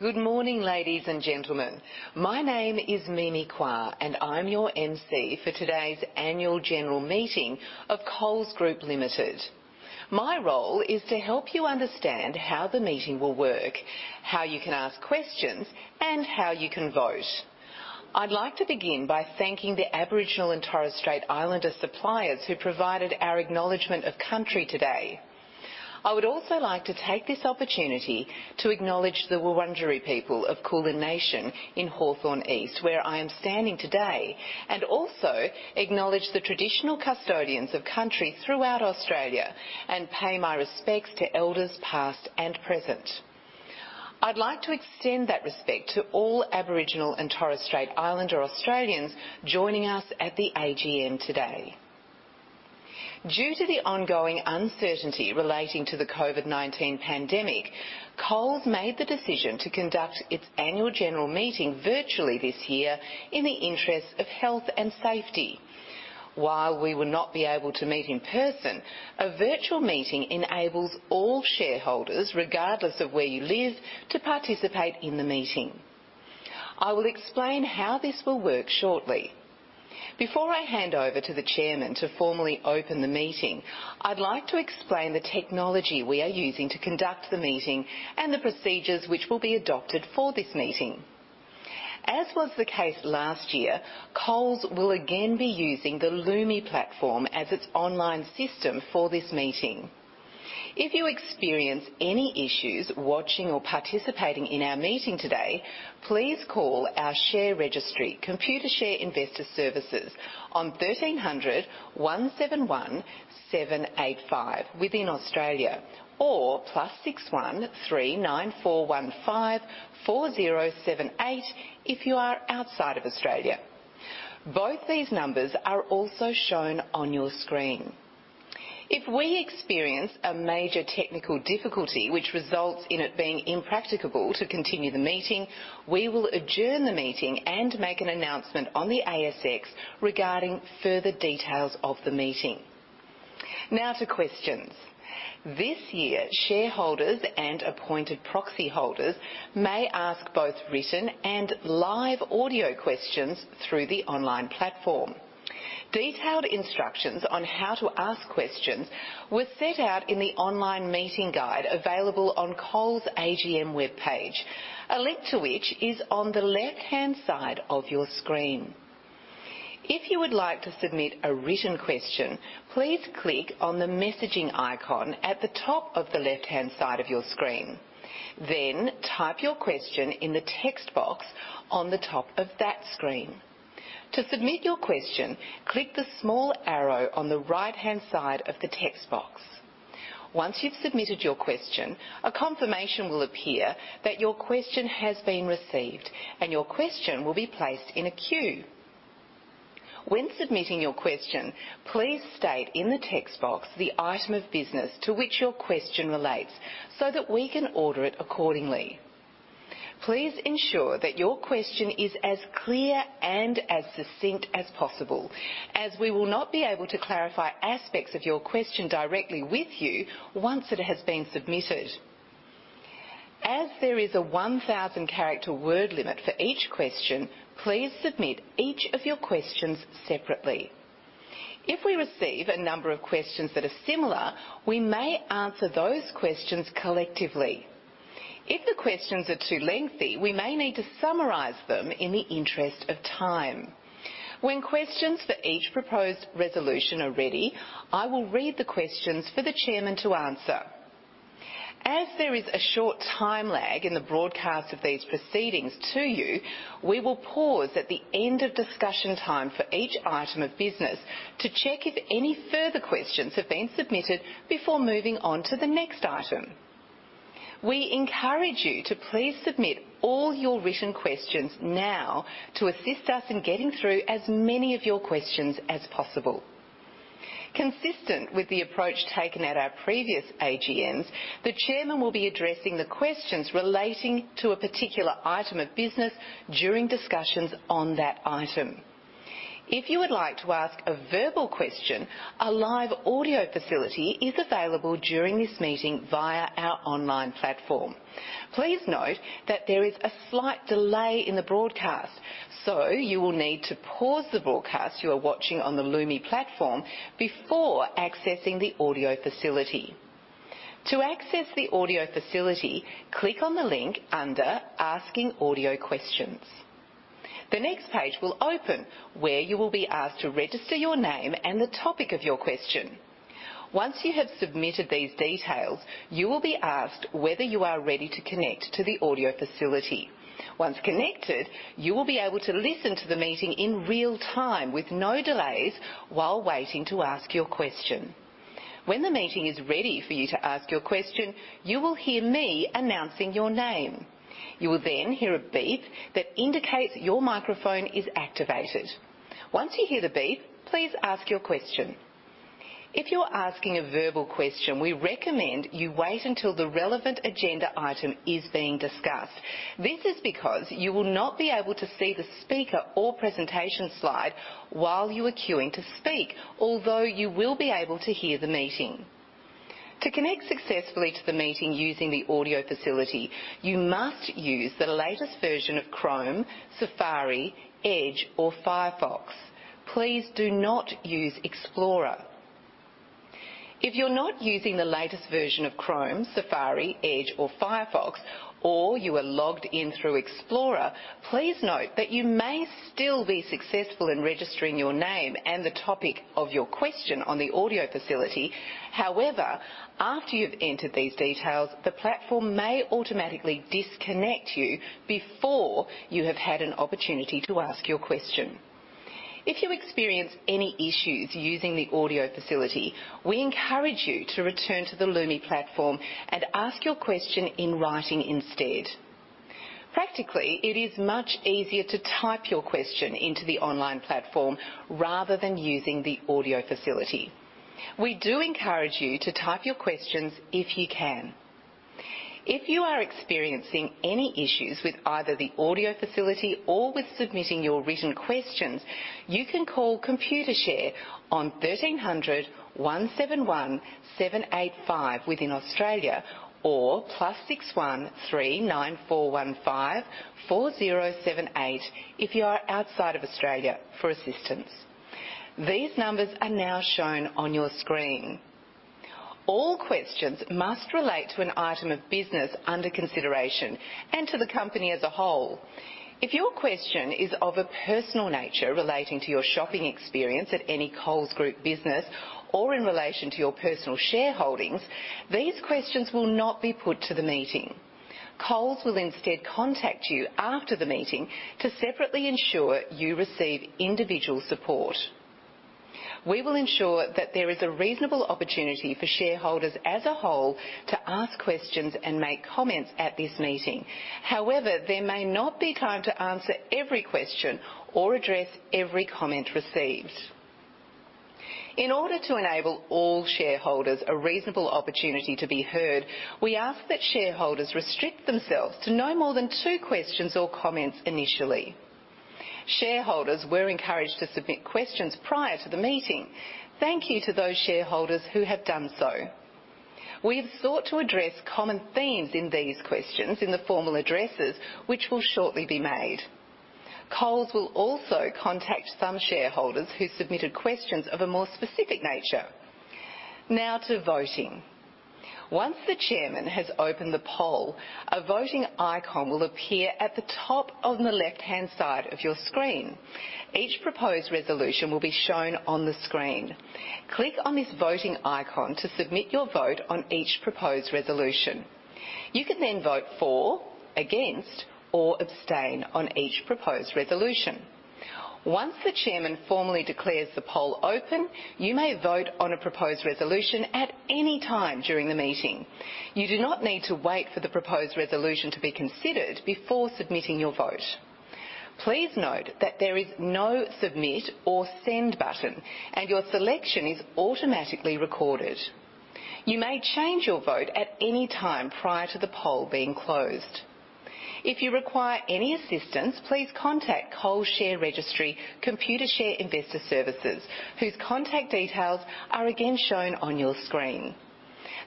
Good morning, ladies and gentlemen. My name is Mimi Kwa, and I'm your MC for today's annual general meeting of Coles Group Limited. My role is to help you understand how the meeting will work, how you can ask questions, and how you can vote. I'd like to begin by thanking the Aboriginal and Torres Strait Islander suppliers who provided our acknowledgement of country today. I would also like to take this opportunity to acknowledge the Wurundjeri people of Kulin Nation in Hawthorn East, where I am standing today, and also acknowledge the traditional custodians of country throughout Australia and pay my respects to elders past and present. I'd like to extend that respect to all Aboriginal and Torres Strait Islander Australians joining us at the AGM today. Due to the ongoing uncertainty relating to the COVID-19 pandemic, Coles made the decision to conduct its annual general meeting virtually this year in the interests of health and safety. While we will not be able to meet in person, a virtual meeting enables all shareholders, regardless of where you live, to participate in the meeting. I will explain how this will work shortly. Before I hand over to the Chairman to formally open the meeting, I'd like to explain the technology we are using to conduct the meeting and the procedures which will be adopted for this meeting. As was the case last year, Coles will again be using the Lumi platform as its online system for this meeting. If you experience any issues watching or participating in our meeting today, please call our share registry, Computershare Investor Services, on 1300-171-785 within Australia or +61 39415 4078 if you are outside of Australia. Both these numbers are also shown on your screen. If we experience a major technical difficulty which results in it being impracticable to continue the meeting, we will adjourn the meeting and make an announcement on the ASX regarding further details of the meeting. Now to questions. This year, shareholders and appointed proxy holders may ask both written and live audio questions through the online platform. Detailed instructions on how to ask questions were set out in the online meeting guide available on Coles AGM webpage, a link to which is on the left-hand side of your screen. If you would like to submit a written question, please click on the messaging icon at the top of the left-hand side of your screen. Then type your question in the text box on the top of that screen. To submit your question, click the small arrow on the right-hand side of the text box. Once you've submitted your question, a confirmation will appear that your question has been received, and your question will be placed in a queue. When submitting your question, please state in the text box the item of business to which your question relates so that we can order it accordingly. Please ensure that your question is as clear and as succinct as possible, as we will not be able to clarify aspects of your question directly with you once it has been submitted. As there is a 1,000-character word limit for each question, please submit each of your questions separately. If we receive a number of questions that are similar, we may answer those questions collectively. If the questions are too lengthy, we may need to summarize them in the interest of time. When questions for each proposed resolution are ready, I will read the questions for the Chairman to answer. As there is a short time lag in the broadcast of these proceedings to you, we will pause at the end of discussion time for each item of business to check if any further questions have been submitted before moving on to the next item. We encourage you to please submit all your written questions now to assist us in getting through as many of your questions as possible. Consistent with the approach taken at our previous AGMs, the Chairman will be addressing the questions relating to a particular item of business during discussions on that item. If you would like to ask a verbal question, a live audio facility is available during this meeting via our online platform. Please note that there is a slight delay in the broadcast, so you will need to pause the broadcast you are watching on the Lumi platform before accessing the audio facility. To access the audio facility, click on the link under Asking Audio Questions. The next page will open where you will be asked to register your name and the topic of your question. Once you have submitted these details, you will be asked whether you are ready to connect to the audio facility. Once connected, you will be able to listen to the meeting in real time with no delays while waiting to ask your question. When the meeting is ready for you to ask your question, you will hear me announcing your name. You will then hear a beep that indicates your microphone is activated. Once you hear the beep, please ask your question. If you're asking a verbal question, we recommend you wait until the relevant agenda item is being discussed. This is because you will not be able to see the speaker or presentation slide while you are queuing to speak, although you will be able to hear the meeting. To connect successfully to the meeting using the audio facility, you must use the latest version of Chrome, Safari, Edge, or Firefox. Please do not use Explorer. If you're not using the latest version of Chrome, Safari, Edge, or Firefox, or you are logged in through Explorer, please note that you may still be successful in registering your name and the topic of your question on the audio facility. However, after you've entered these details, the platform may automatically disconnect you before you have had an opportunity to ask your question. If you experience any issues using the audio facility, we encourage you to return to the Lumi platform and ask your question in writing instead. Practically, it is much easier to type your question into the online platform rather than using the audio facility. We do encourage you to type your questions if you can. If you are experiencing any issues with either the audio facility or with submitting your written questions, you can call Computershare on 1300-171-785 within Australia or +61 39415 4078 if you are outside of Australia for assistance. These numbers are now shown on your screen. All questions must relate to an item of business under consideration and to the company as a whole. If your question is of a personal nature relating to your shopping experience at any Coles Group business or in relation to your personal shareholdings, these questions will not be put to the meeting. Coles will instead contact you after the meeting to separately ensure you receive individual support. We will ensure that there is a reasonable opportunity for shareholders as a whole to ask questions and make comments at this meeting. However, there may not be time to answer every question or address every comment received. In order to enable all shareholders a reasonable opportunity to be heard, we ask that shareholders restrict themselves to no more than two questions or comments initially. Shareholders were encouraged to submit questions prior to the meeting. Thank you to those shareholders who have done so. We have sought to address common themes in these questions in the formal addresses, which will shortly be made. Coles will also contact some shareholders who submitted questions of a more specific nature. Now to voting. Once the Chairman has opened the poll, a voting icon will appear at the top on the left-hand side of your screen. Each proposed resolution will be shown on the screen. Click on this voting icon to submit your vote on each proposed resolution. You can then vote for, against, or abstain on each proposed resolution. Once the Chairman formally declares the poll open, you may vote on a proposed resolution at any time during the meeting. You do not need to wait for the proposed resolution to be considered before submitting your vote. Please note that there is no submit or send button, and your selection is automatically recorded. You may change your vote at any time prior to the poll being closed. If you require any assistance, please contact Coles Share Registry, Computershare Investor Services, whose contact details are again shown on your screen.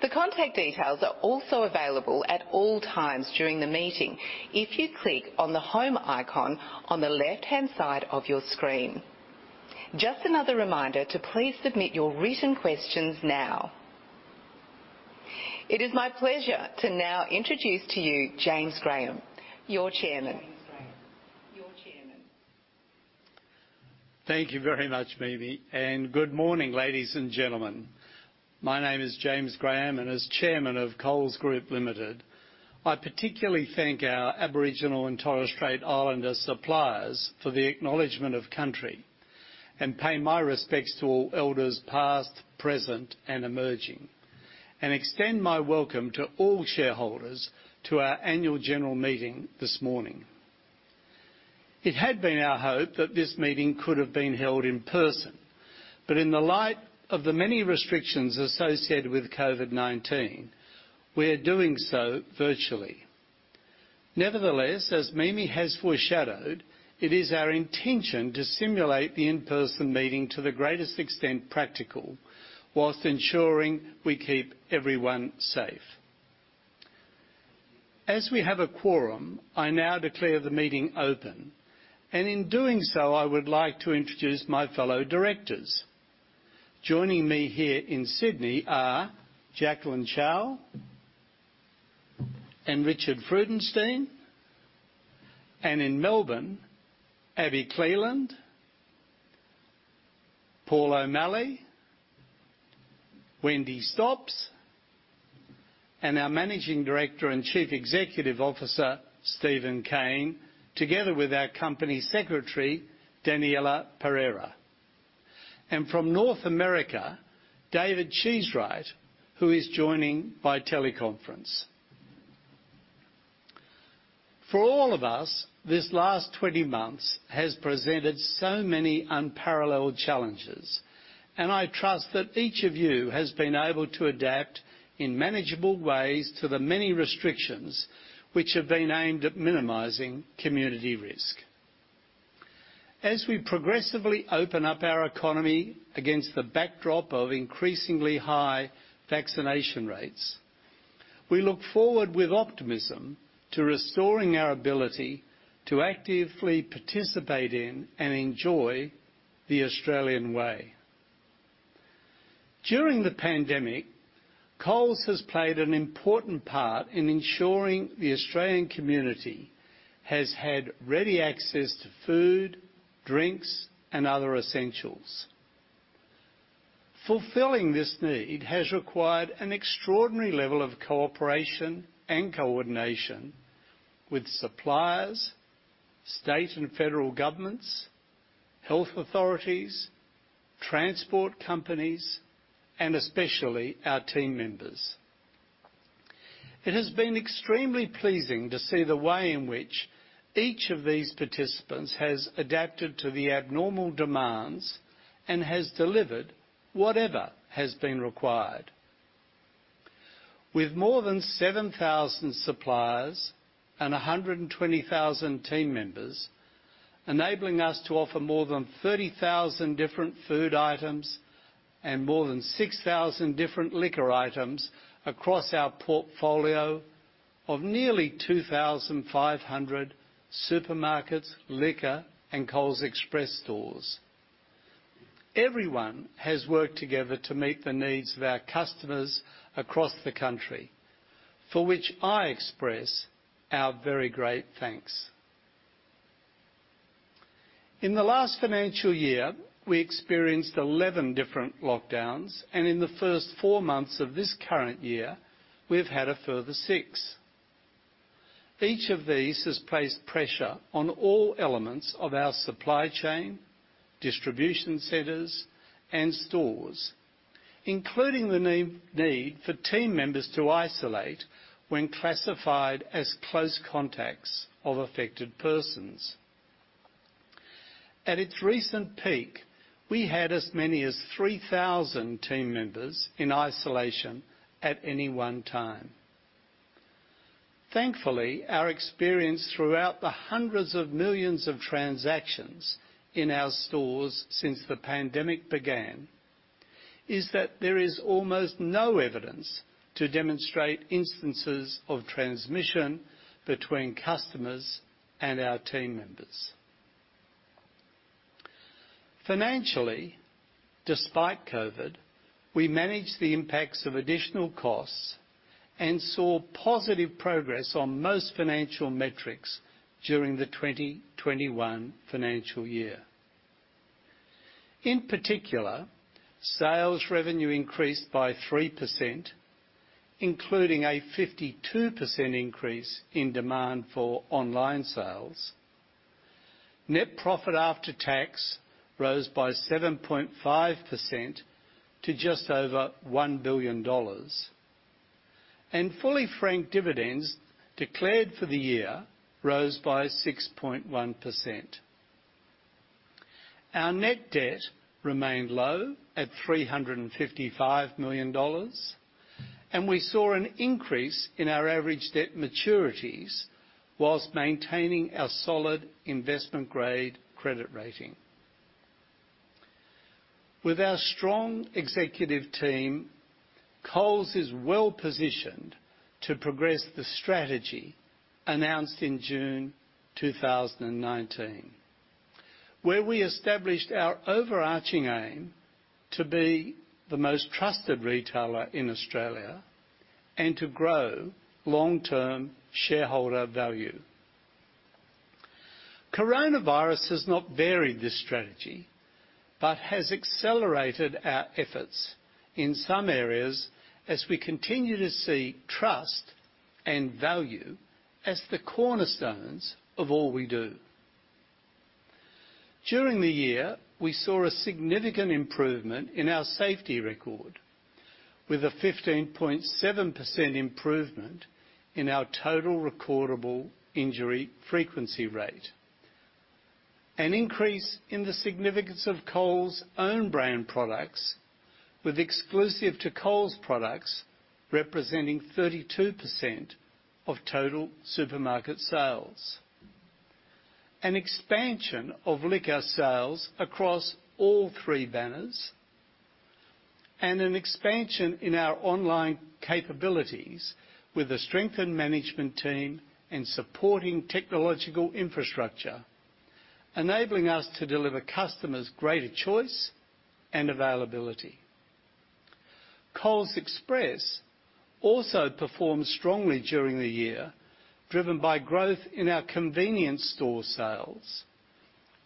The contact details are also available at all times during the meeting if you click on the home icon on the left-hand side of your screen. Just another reminder to please submit your written questions now. It is my pleasure to now introduce to you James Graham, your Chairman. Thank you very much, Mimi, and good morning, ladies and gentlemen. My name is James Graham, and as Chairman of Coles Group Limited, I particularly thank our Aboriginal and Torres Strait Islander suppliers for the acknowledgement of country and pay my respects to all elders past, present, and emerging, and extend my welcome to all shareholders to our annual general meeting this morning. It had been our hope that this meeting could have been held in person, but in the light of the many restrictions associated with COVID-19, we are doing so virtually. Nevertheless, as Mimi has foreshadowed, it is our intention to simulate the in-person meeting to the greatest extent practical while ensuring we keep everyone safe. As we have a quorum, I now declare the meeting open, and in doing so, I would like to introduce my fellow directors. Joining me here in Sydney are Jacqueline Chow, and Richard Freudenstein, and in Melbourne, Abi Cleland, Paul O'Malley, Wendy Stops, and our Managing Director and Chief Executive Officer, Steven Cain, together with our Company Secretary, Daniella Pereira, and from North America, David Cheesewright, who is joining by teleconference. For all of us, this last 20 months has presented so many unparalleled challenges, and I trust that each of you has been able to adapt in manageable ways to the many restrictions which have been aimed at minimizing community risk. As we progressively open up our economy against the backdrop of increasingly high vaccination rates, we look forward with optimism to restoring our ability to actively participate in and enjoy the Australian way. During the pandemic, Coles has played an important part in ensuring the Australian community has had ready access to food, drinks, and other essentials. Fulfilling this need has required an extraordinary level of cooperation and coordination with suppliers, state and federal governments, health authorities, transport companies, and especially our team members. It has been extremely pleasing to see the way in which each of these participants has adapted to the abnormal demands and has delivered whatever has been required. With more than 7,000 suppliers and 120,000 team members, enabling us to offer more than 30,000 different food items and more than 6,000 different liquor items across our portfolio of nearly 2,500 supermarkets, liquor, and Coles Express stores. Everyone has worked together to meet the needs of our customers across the country, for which I express our very great thanks. In the last financial year, we experienced 11 different lockdowns, and in the first four months of this current year, we have had a further six. Each of these has placed pressure on all elements of our supply chain, distribution centers, and stores, including the need for team members to isolate when classified as close contacts of affected persons. At its recent peak, we had as many as 3,000 team members in isolation at any one time. Thankfully, our experience throughout the hundreds of millions of transactions in our stores since the pandemic began is that there is almost no evidence to demonstrate instances of transmission between customers and our team members. Financially, despite COVID, we managed the impacts of additional costs and saw positive progress on most financial metrics during the 2021 financial year. In particular, sales revenue increased by 3%, including a 52% increase in demand for online sales. Net profit after tax rose by 7.5% to just over 1 billion dollars, and fully franked dividends declared for the year rose by 6.1%. Our net debt remained low at 355 million dollars, and we saw an increase in our average debt maturities while maintaining our solid investment-grade credit rating. With our strong executive team, Coles is well positioned to progress the strategy announced in June 2019, where we established our overarching aim to be the most trusted retailer in Australia and to grow long-term shareholder value. Coronavirus has not varied this strategy but has accelerated our efforts in some areas as we continue to see trust and value as the cornerstones of all we do. During the year, we saw a significant improvement in our safety record, with a 15.7% improvement in our total recordable injury frequency rate, an increase in the significance of Coles' own brand products, with exclusive-to-Coles products representing 32% of total supermarket sales, an expansion of liquor sales across all three banners, and an expansion in our online capabilities with a strengthened management team and supporting technological infrastructure, enabling us to deliver customers greater choice and availability. Coles Express also performed strongly during the year, driven by growth in our convenience store sales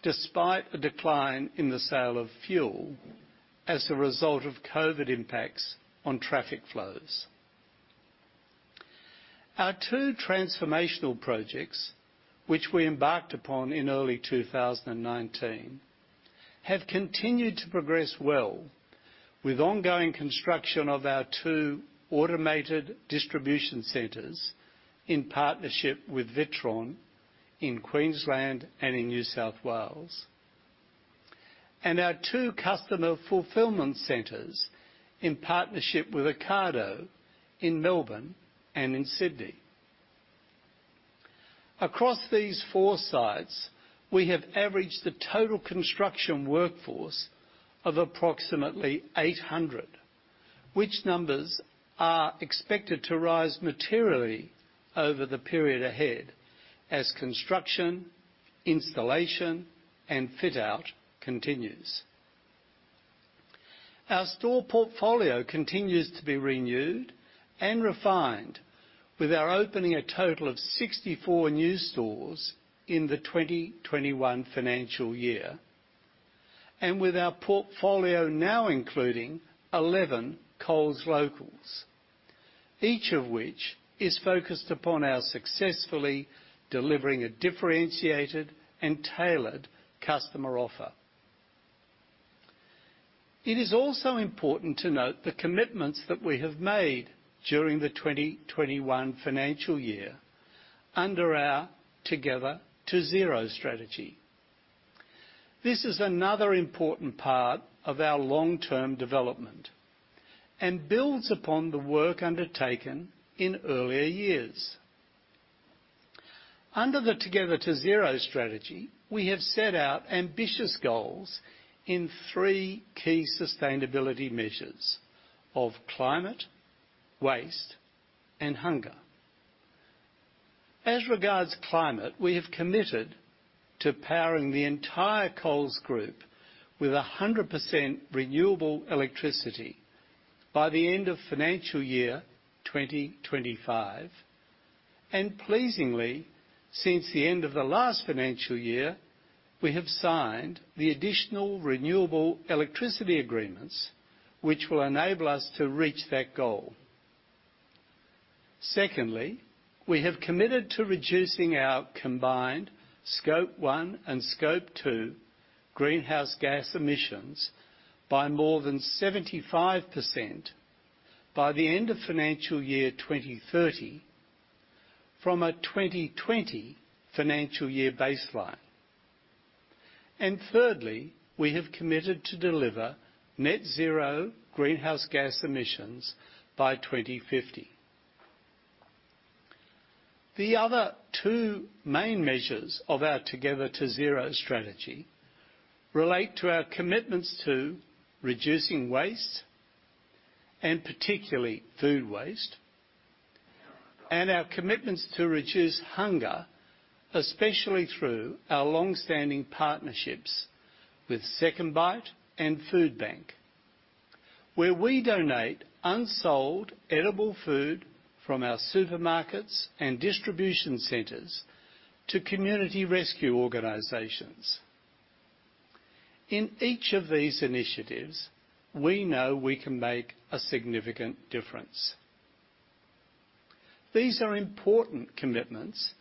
despite a decline in the sale of fuel as a result of COVID impacts on traffic flows. Our two transformational projects, which we embarked upon in early 2019, have continued to progress well, with ongoing construction of our two automated distribution centers in partnership with Witron in Queensland and in New South Wales, and our two customer fulfillment centers in partnership with Ocado in Melbourne and in Sydney. Across these four sites, we have averaged the total construction workforce of approximately 800, which numbers are expected to rise materially over the period ahead as construction, installation, and fit-out continues. Our store portfolio continues to be renewed and refined, with our opening a total of 64 new stores in the 2021 financial year and with our portfolio now including 11 Coles Local, each of which is focused upon our successfully delivering a differentiated and tailored customer offer. It is also important to note the commitments that we have made during the 2021 financial year under our Together to Zero strategy. This is another important part of our long-term development and builds upon the work undertaken in earlier years. Under the Together to Zero strategy, we have set out ambitious goals in three key sustainability measures of climate, waste, and hunger. As regards climate, we have committed to powering the entire Coles Group with 100% renewable electricity by the end of financial year 2025, and pleasingly, since the end of the last financial year, we have signed the additional renewable electricity agreements, which will enable us to reach that goal. Secondly, we have committed to reducing our combined Scope 1 and Scope 2 greenhouse gas emissions by more than 75% by the end of financial year 2030 from a 2020 financial year baseline. Thirdly, we have committed to deliver Net Zero greenhouse gas emissions by 2050. The other two main measures of our Together to Zero strategy relate to our commitments to reducing waste, and particularly food waste, and our commitments to reduce hunger, especially through our long-standing partnerships with SecondBite and Foodbank, where we donate unsold edible food from our supermarkets and distribution centers to community rescue organizations. In each of these initiatives, we know we can make a significant difference. These are important commitments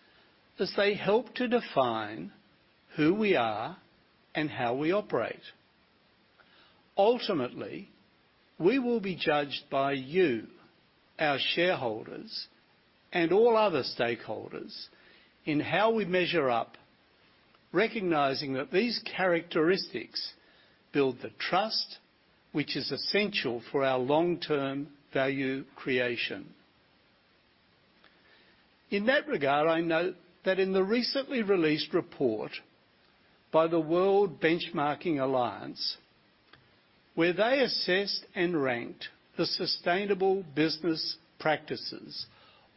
as they help to define who we are and how we operate. Ultimately, we will be judged by you, our shareholders, and all other stakeholders in how we measure up, recognizing that these characteristics build the trust, which is essential for our long-term value creation. In that regard, I note that in the recently released report by the World Benchmarking Alliance, where they assessed and ranked the sustainable business practices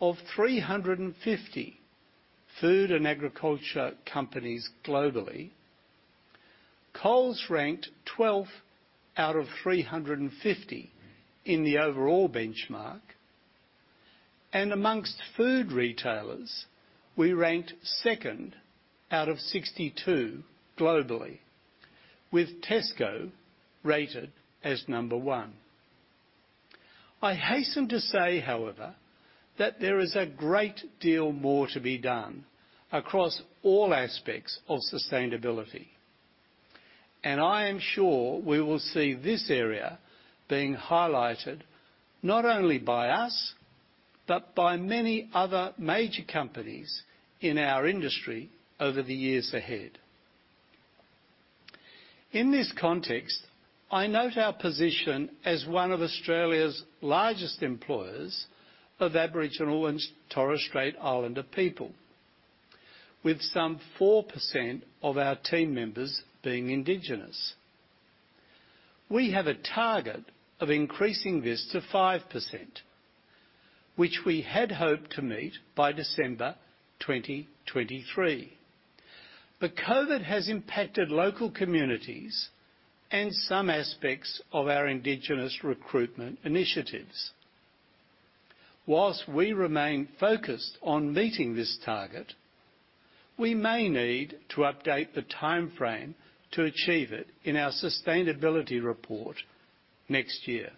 of 350 food and agriculture companies globally, Coles ranked 12th out of 350 in the overall benchmark, and amongst food retailers, we ranked second out of 62 globally, with Tesco rated as number one. I hasten to say, however, that there is a great deal more to be done across all aspects of sustainability, and I am sure we will see this area being highlighted not only by us but by many other major companies in our industry over the years ahead. In this context, I note our position as one of Australia's largest employers of Aboriginal and Torres Strait Islander people, with some 4% of our team members being Indigenous. We have a target of increasing this to 5%, which we had hoped to meet by December 2023. But COVID has impacted local communities and some aspects of our Indigenous recruitment initiatives. While we remain focused on meeting this target, we may need to update the timeframe to achieve it in our sustainability report next year.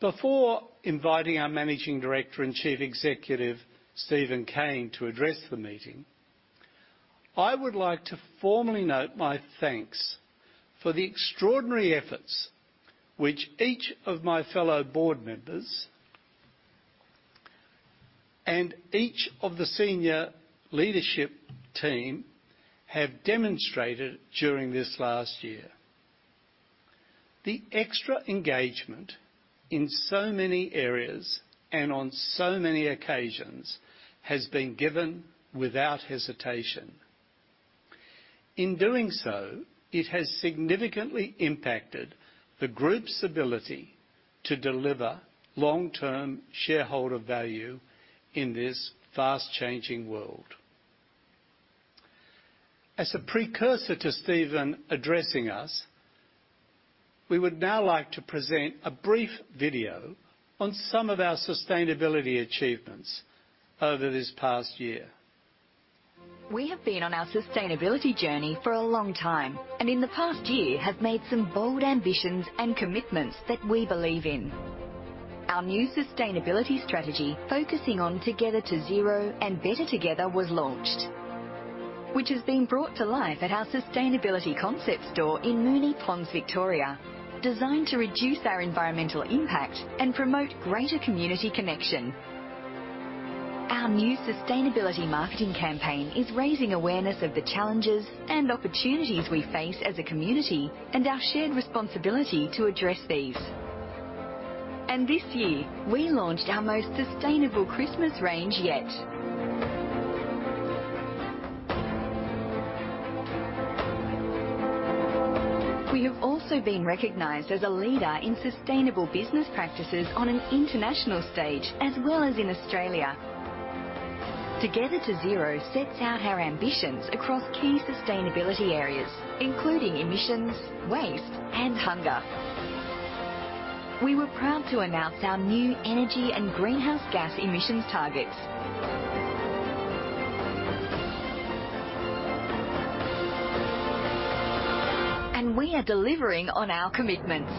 Before inviting our Managing Director and Chief Executive Steven Cain to address the meeting, I would like to formally note my thanks for the extraordinary efforts which each of my fellow board members and each of the senior leadership team have demonstrated during this last year. The extra engagement in so many areas and on so many occasions has been given without hesitation. In doing so, it has significantly impacted the group's ability to deliver long-term shareholder value in this fast-changing world. As a precursor to Steven addressing us, we would now like to present a brief video on some of our sustainability achievements over this past year. We have been on our sustainability journey for a long time and in the past year have made some bold ambitions and commitments that we believe in. Our new sustainability strategy focusing on Together to Zero and Better Together was launched, which has been brought to life at our sustainability concept store in Moonee Ponds, Victoria, designed to reduce our environmental impact and promote greater community connection. Our new sustainability marketing campaign is raising awareness of the challenges and opportunities we face as a community and our shared responsibility to address these, and this year, we launched our most sustainable Christmas range yet. We have also been recognized as a leader in sustainable business practices on an international stage as well as in Australia. Together to Zero sets out our ambitions across key sustainability areas, including emissions, waste, and hunger. We were proud to announce our new energy and greenhouse gas emissions targets. We are delivering on our commitments.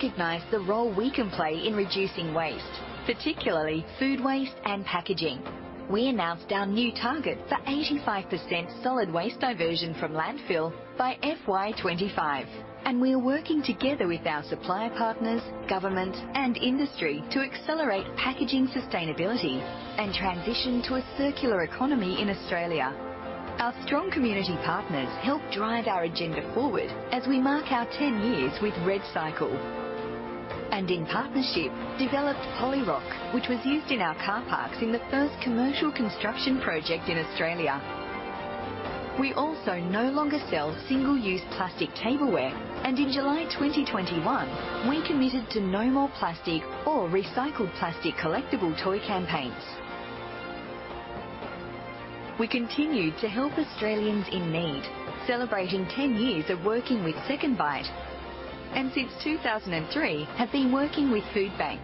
We recognize the role we can play in reducing waste, particularly food waste and packaging. We announced our new target for 85% solid waste diversion from landfill by FY25, and we are working together with our supplier partners, government, and industry to accelerate packaging sustainability and transition to a Circular Economy in Australia. Our strong community partners help drive our agenda forward as we mark our 10 years with REDcycle. In partnership we developed Polyrok, which was used in our car parks in the first commercial construction project in Australia. We also no longer sell single-use plastic tableware, and in July 2021, we committed to no more plastic or recycled plastic collectible toy campaigns. We continue to help Australians in need, celebrating 10 years of working with SecondBite, and since 2003, have been working with Foodbank.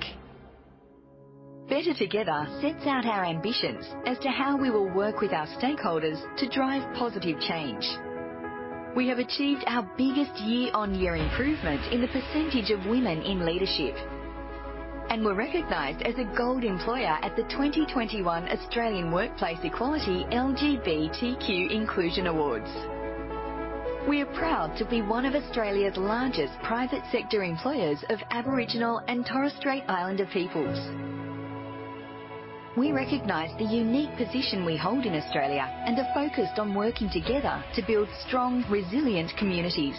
Better Together sets out our ambitions as to how we will work with our stakeholders to drive positive change. We have achieved our biggest year-on-year improvement in the percentage of women in leadership, and we're recognized as a gold employer at the 2021 Australian Workplace Equality LGBTQ Inclusion Awards. We are proud to be one of Australia's largest private sector employers of Aboriginal and Torres Strait Islander peoples. We recognize the unique position we hold in Australia and are focused on working together to build strong, resilient communities.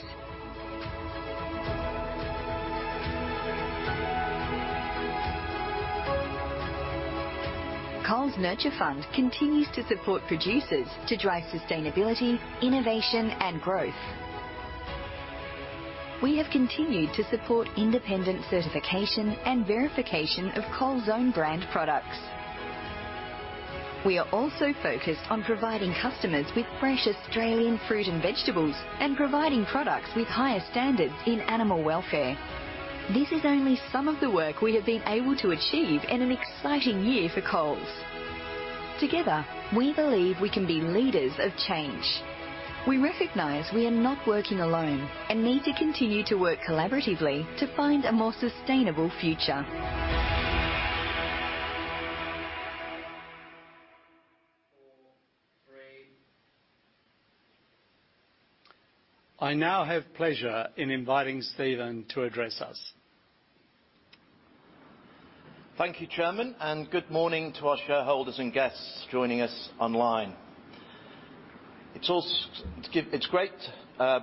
Coles Nurture Fund continues to support producers to drive sustainability, innovation, and growth. We have continued to support independent certification and verification of Coles' own brand products. We are also focused on providing customers with fresh Australian fruit and vegetables and providing products with higher standards in animal welfare. This is only some of the work we have been able to achieve in an exciting year for Coles. Together, we believe we can be leaders of change. We recognize we are not working alone and need to continue to work collaboratively to find a more sustainable future. I now have pleasure in inviting Steven to address us. Thank you, Chairman, and good morning to our shareholders and guests joining us online. It's great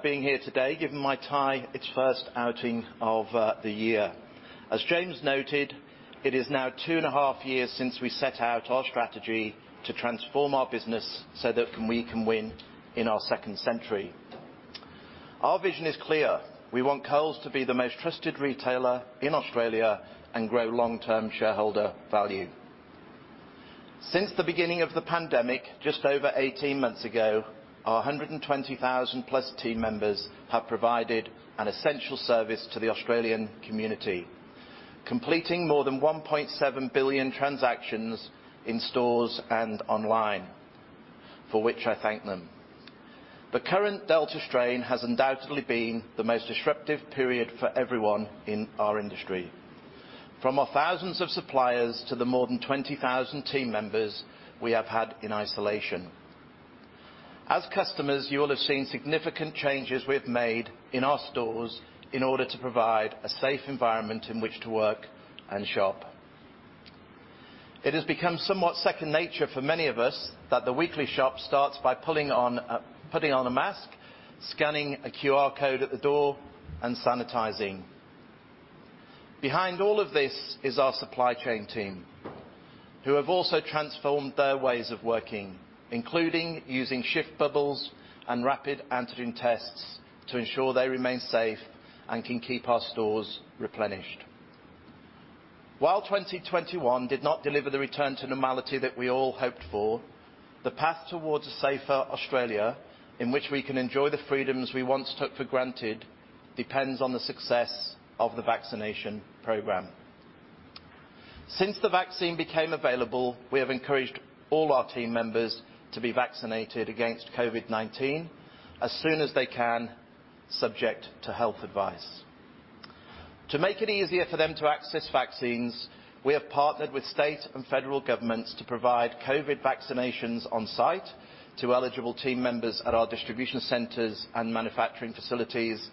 being here today, given my tie, it's first outing of the year. As James noted, it is now two and a half years since we set out our strategy to transform our business so that we can win in our second century. Our vision is clear. We want Coles to be the most trusted retailer in Australia and grow long-term shareholder value. Since the beginning of the pandemic, just over 18 months ago, our 120,000-plus team members have provided an essential service to the Australian community, completing more than 1.7 billion transactions in stores and online, for which I thank them. The current Delta strain has undoubtedly been the most disruptive period for everyone in our industry, from our thousands of suppliers to the more than 20,000 team members we have had in isolation. As customers, you will have seen significant changes we have made in our stores in order to provide a safe environment in which to work and shop. It has become somewhat second nature for many of us that the weekly shop starts by putting on a mask, scanning a QR code at the door, and sanitizing. Behind all of this is our supply chain team, who have also transformed their ways of working, including using shift bubbles and rapid antigen tests to ensure they remain safe and can keep our stores replenished. While 2021 did not deliver the return to normality that we all hoped for, the path towards a safer Australia in which we can enjoy the freedoms we once took for granted depends on the success of the vaccination program. Since the vaccine became available, we have encouraged all our team members to be vaccinated against COVID-19 as soon as they can, subject to health advice. To make it easier for them to access vaccines, we have partnered with state and federal governments to provide COVID vaccinations on site to eligible team members at our distribution centers and manufacturing facilities,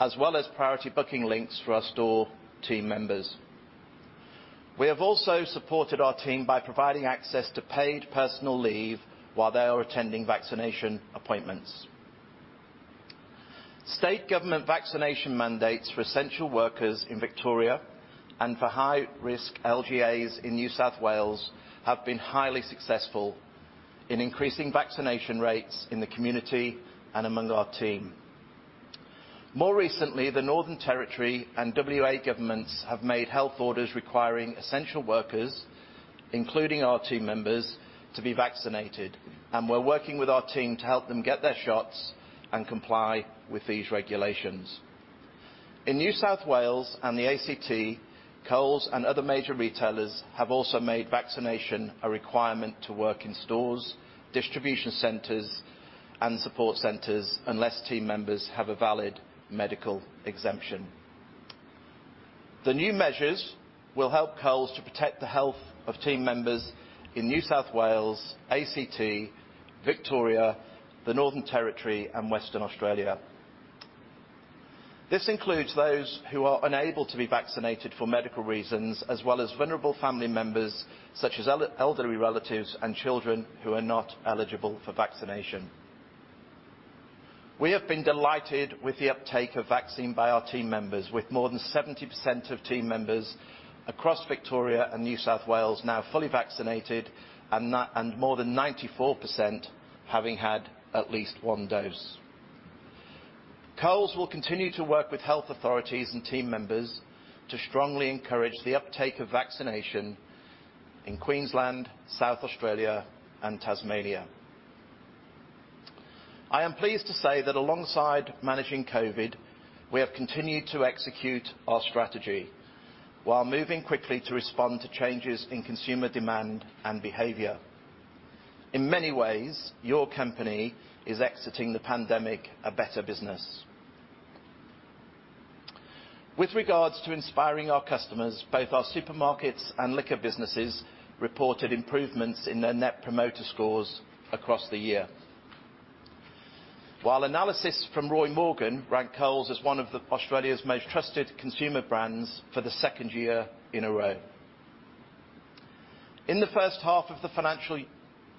as well as priority booking links for our store team members. We have also supported our team by providing access to paid personal leave while they are attending vaccination appointments. State government vaccination mandates for essential workers in Victoria and for high-risk LGAs in New South Wales have been highly successful in increasing vaccination rates in the community and among our team. More recently, the Northern Territory and WA governments have made health orders requiring essential workers, including our team members, to be vaccinated, and we're working with our team to help them get their shots and comply with these regulations. In New South Wales and the ACT, Coles and other major retailers have also made vaccination a requirement to work in stores, distribution centers, and support centers unless team members have a valid medical exemption. The new measures will help Coles to protect the health of team members in New South Wales, ACT, Victoria, the Northern Territory, and Western Australia. This includes those who are unable to be vaccinated for medical reasons, as well as vulnerable family members such as elderly relatives and children who are not eligible for vaccination. We have been delighted with the uptake of vaccine by our team members, with more than 70% of team members across Victoria and New South Wales now fully vaccinated and more than 94% having had at least one dose. Coles will continue to work with health authorities and team members to strongly encourage the uptake of vaccination in Queensland, South Australia, and Tasmania. I am pleased to say that alongside managing COVID, we have continued to execute our strategy while moving quickly to respond to changes in consumer demand and behavior. In many ways, your company is exiting the pandemic a better business. With regards to inspiring our customers, both our supermarkets and liquor businesses reported improvements in their Net Promoter Scores across the year, while analysis from Roy Morgan ranked Coles as one of Australia's most trusted consumer brands for the second year in a row. In the first half of the financial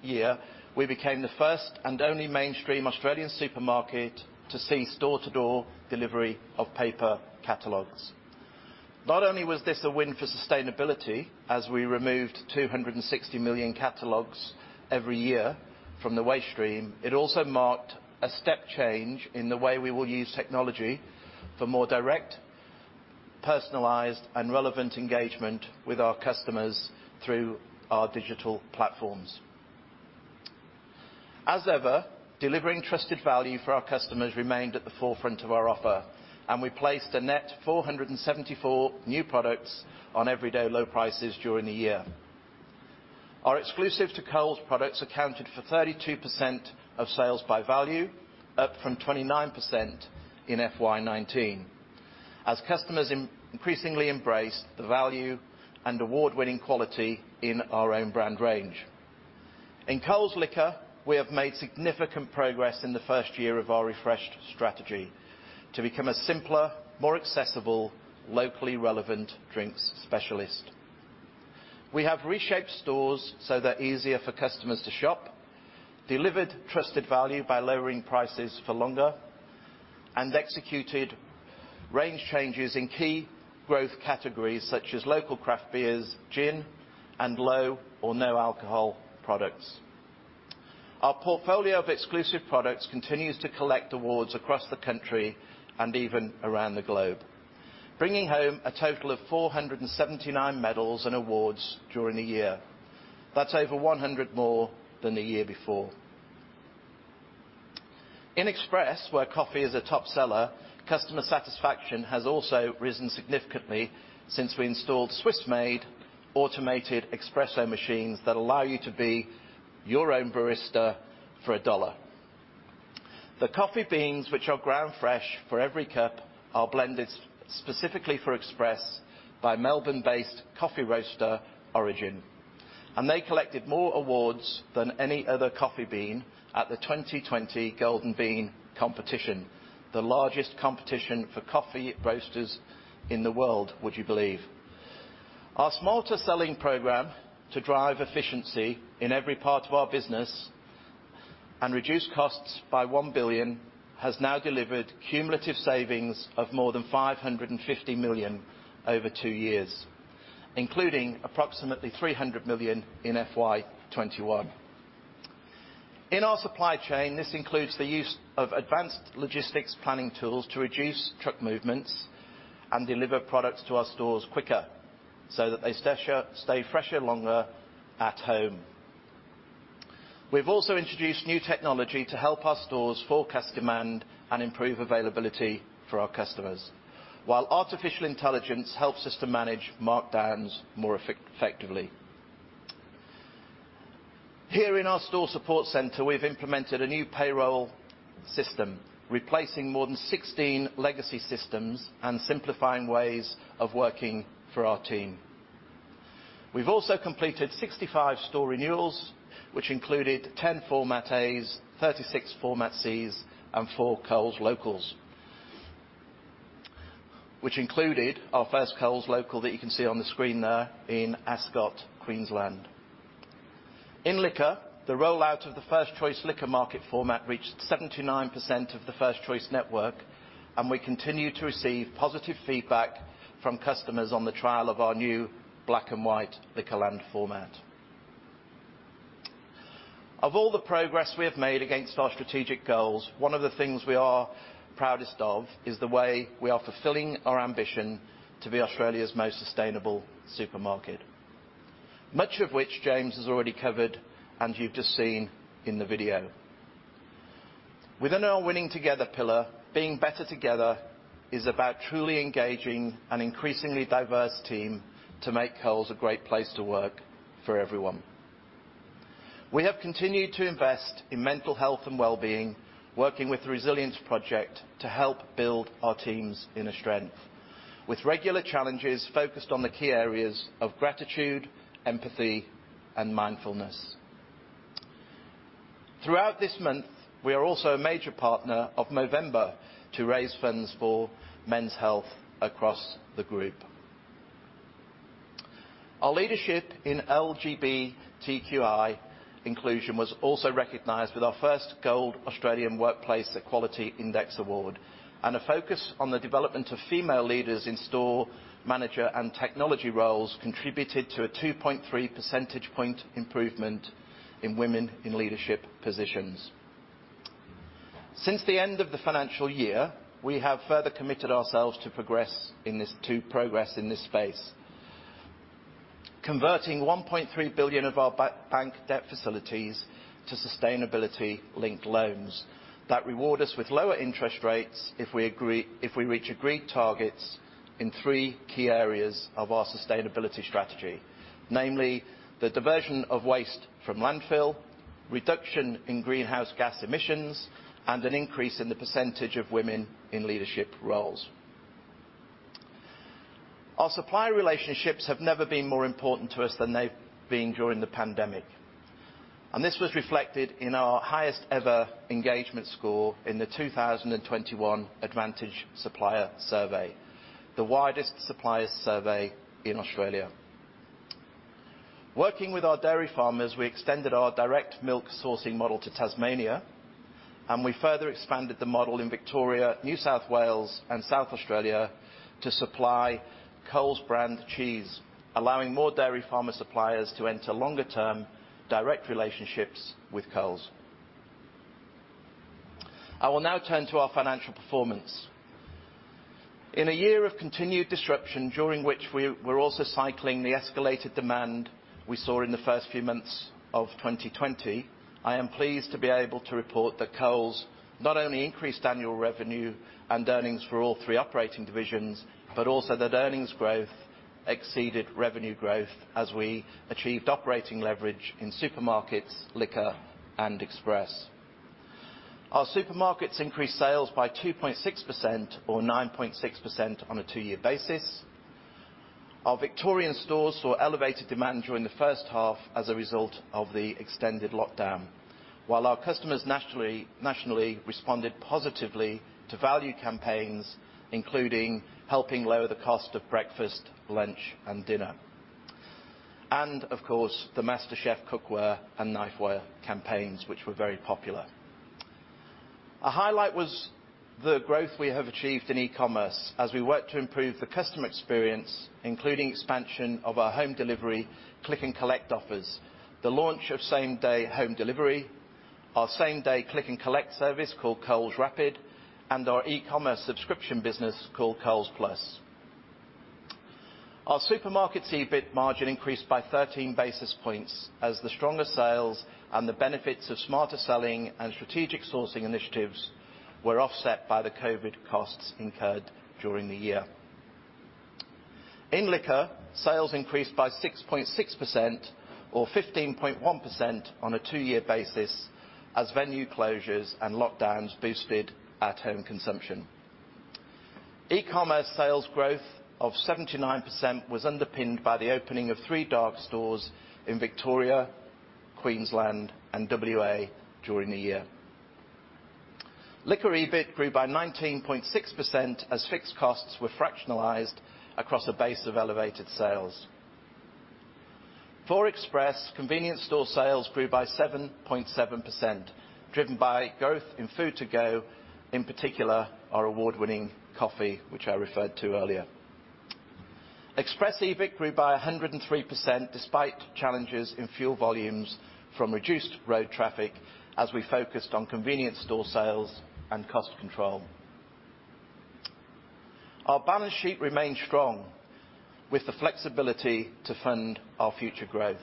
year, we became the first and only mainstream Australian supermarket to see door-to-door delivery of paper catalogs. Not only was this a win for sustainability as we removed 260 million catalogs every year from the waste stream, it also marked a step change in the way we will use technology for more direct, personalized, and relevant engagement with our customers through our digital platforms. As ever, delivering trusted value for our customers remained at the forefront of our offer, and we placed a net 474 new products on everyday low prices during the year. Our Exclusive to Coles products accounted for 32% of sales by value, up from 29% in FY19, as customers increasingly embraced the value and award-winning quality in our own brand range. In Coles Liquor, we have made significant progress in the first year of our refreshed strategy to become a simpler, more accessible, locally relevant drinks specialist. We have reshaped stores so they're easier for customers to shop, delivered trusted value by lowering prices for longer, and executed range changes in key growth categories such as local craft beers, gin, and low or no alcohol products. Our portfolio of exclusive products continues to collect awards across the country and even around the globe, bringing home a total of 479 medals and awards during the year. That's over 100 more than the year before. In Express, where coffee is a top seller, customer satisfaction has also risen significantly since we installed Swiss-made automated espresso machines that allow you to be your own barista for AUD 1. The coffee beans, which are ground fresh for every cup, are blended specifically for Coles Express by Melbourne-based coffee roaster Aurigin, and they collected more awards than any other coffee bean at the 2020 Golden Bean Competition, the largest competition for coffee roasters in the world, would you believe. Our Smarter Selling program to drive efficiency in every part of our business and reduce costs by 1 billion has now delivered cumulative savings of more than 550 million over two years, including approximately 300 million in FY21. In our supply chain, this includes the use of advanced logistics planning tools to reduce truck movements and deliver products to our stores quicker so that they stay fresher longer at home. We've also introduced new technology to help our stores forecast demand and improve availability for our customers, while artificial intelligence helps us to manage markdowns more effectively. Here in our store support centre, we've implemented a new payroll system, replacing more than 16 legacy systems and simplifying ways of working for our team. We've also completed 65 store renewals, which included 10 Format A's, 36 Format C's, and 4 Coles Locals, which included our first Coles Local that you can see on the screen there in Ascot, Queensland. In liquor, the rollout of the First Choice Liquor Market format reached 79% of the First Choice network, and we continue to receive positive feedback from customers on the trial of our new black-and-white Liquorland format. Of all the progress we have made against our strategic goals, one of the things we are proudest of is the way we are fulfilling our ambition to be Australia's most sustainable supermarket, much of which James has already covered and you've just seen in the video. Within our Winning Together pillar, being better together is about truly engaging an increasingly diverse team to make Coles a great place to work for everyone. We have continued to invest in mental health and well-being, working with the Resilience Project to help build our teams in strength, with regular challenges focused on the key areas of gratitude, empathy, and mindfulness. Throughout this month, we are also a major partner of Movember to raise funds for men's health across the group. Our leadership in LGBTQI inclusion was also recognized with our first Gold Australian Workplace Equality Index award, and a focus on the development of female leaders in store, manager, and technology roles contributed to a 2.3 percentage point improvement in women in leadership positions. Since the end of the financial year, we have further committed ourselves to progress in this space, converting 1.3 billion of our bank debt facilities to sustainability-linked loans that reward us with lower interest rates if we reach agreed targets in three key areas of our sustainability strategy, namely the diversion of waste from landfill, reduction in greenhouse gas emissions, and an increase in the percentage of women in leadership roles. Our supplier relationships have never been more important to us than they've been during the pandemic, and this was reflected in our highest-ever engagement score in the 2021 Advantage Supplier Survey, the widest supplier survey in Australia. Working with our dairy farmers, we extended our direct milk sourcing model to Tasmania, and we further expanded the model in Victoria, New South Wales, and South Australia to supply Coles brand cheese, allowing more dairy farmer suppliers to enter longer-term direct relationships with Coles. I will now turn to our financial performance. In a year of continued disruption, during which we were also cycling the escalated demand we saw in the first few months of 2020, I am pleased to be able to report that Coles not only increased annual revenue and earnings for all three operating divisions, but also that earnings growth exceeded revenue growth as we achieved operating leverage in supermarkets, liquor, and express. Our supermarkets increased sales by 2.6% or 9.6% on a two-year basis. Our Victorian stores saw elevated demand during the first half as a result of the extended lockdown, while our customers nationally responded positively to value campaigns, including helping lower the cost of breakfast, lunch, and dinner, and, of course, the MasterChef cookware and knife campaigns, which were very popular. A highlight was the growth we have achieved in e-commerce as we work to improve the customer experience, including expansion of our home delivery click-and-collect offers, the launch of same-day home delivery, our same-day click-and-collect service called Coles Rapid, and our e-commerce subscription business called Coles Plus. Our supermarkets' EBIT margin increased by 13 basis points as the stronger sales and the benefits of smarter selling and strategic sourcing initiatives were offset by the COVID costs incurred during the year. In liquor, sales increased by 6.6% or 15.1% on a two-year basis as venue closures and lockdowns boosted at-home consumption. E-commerce sales growth of 79% was underpinned by the opening of three dark stores in Victoria, Queensland, and WA during the year. Liquor EBIT grew by 19.6% as fixed costs were fractionalized across a base of elevated sales. For Express, convenience store sales grew by 7.7%, driven by growth in food to go, in particular our award-winning coffee, which I referred to earlier. Express EBIT grew by 103% despite challenges in fuel volumes from reduced road traffic as we focused on convenience store sales and cost control. Our balance sheet remained strong with the flexibility to fund our future growth.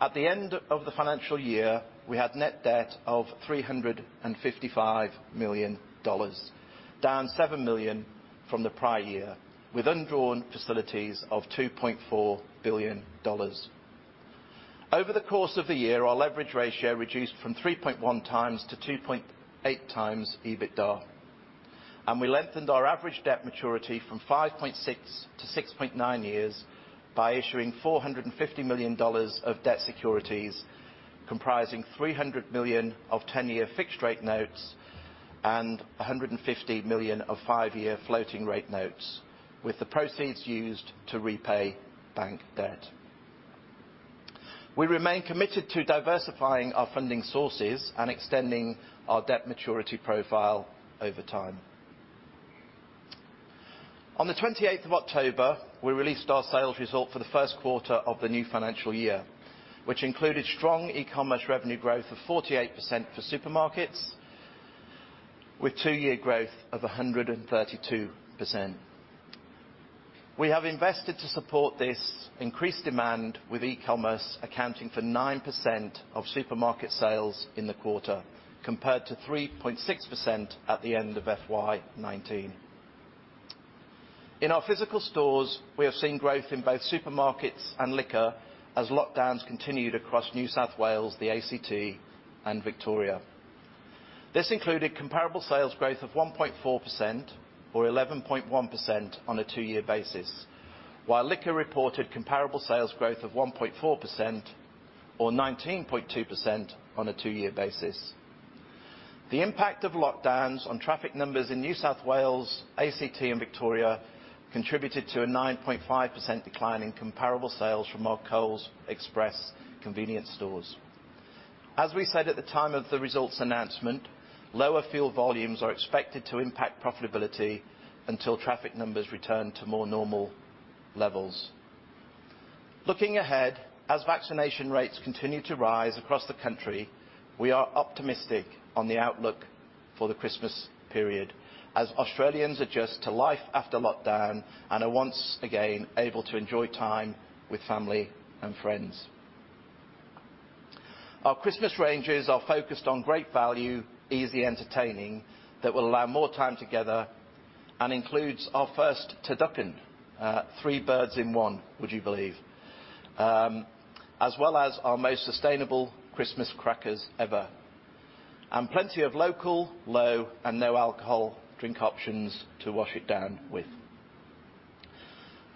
At the end of the financial year, we had net debt of 355 million dollars, down seven million from the prior year, with undrawn facilities of 2.4 billion dollars. Over the course of the year, our leverage ratio reduced from 3.1x to 2.8x EBITDA, and we lengthened our average debt maturity from 5.6 years to 6.9 years by issuing 450 million dollars of debt securities, comprising 300 million of 10-year fixed-rate notes and 150 million of 5-year floating-rate notes, with the proceeds used to repay bank debt. We remain committed to diversifying our funding sources and extending our debt maturity profile over time. On the 28th of October, we released our sales result for the first quarter of the new financial year, which included strong e-commerce revenue growth of 48% for supermarkets, with two-year growth of 132%. We have invested to support this increased demand, with e-commerce accounting for 9% of supermarket sales in the quarter, compared to 3.6% at the end of FY19. In our physical stores, we have seen growth in both supermarkets and liquor as lockdowns continued across New South Wales, the ACT, and Victoria. This included comparable sales growth of 1.4% or 11.1% on a two-year basis, while liquor reported comparable sales growth of 1.4% or 19.2% on a two-year basis. The impact of lockdowns on traffic numbers in New South Wales, ACT, and Victoria contributed to a 9.5% decline in comparable sales from our Coles Express convenience stores. As we said at the time of the results announcement, lower fuel volumes are expected to impact profitability until traffic numbers return to more normal levels. Looking ahead, as vaccination rates continue to rise across the country, we are optimistic on the outlook for the Christmas period as Australians adjust to life after lockdown and are once again able to enjoy time with family and friends. Our Christmas ranges are focused on great value, easy entertaining that will allow more time together and includes our first turducken, three birds in one, would you believe, as well as our most sustainable Christmas crackers ever, and plenty of local, low, and no alcohol drink options to wash it down with.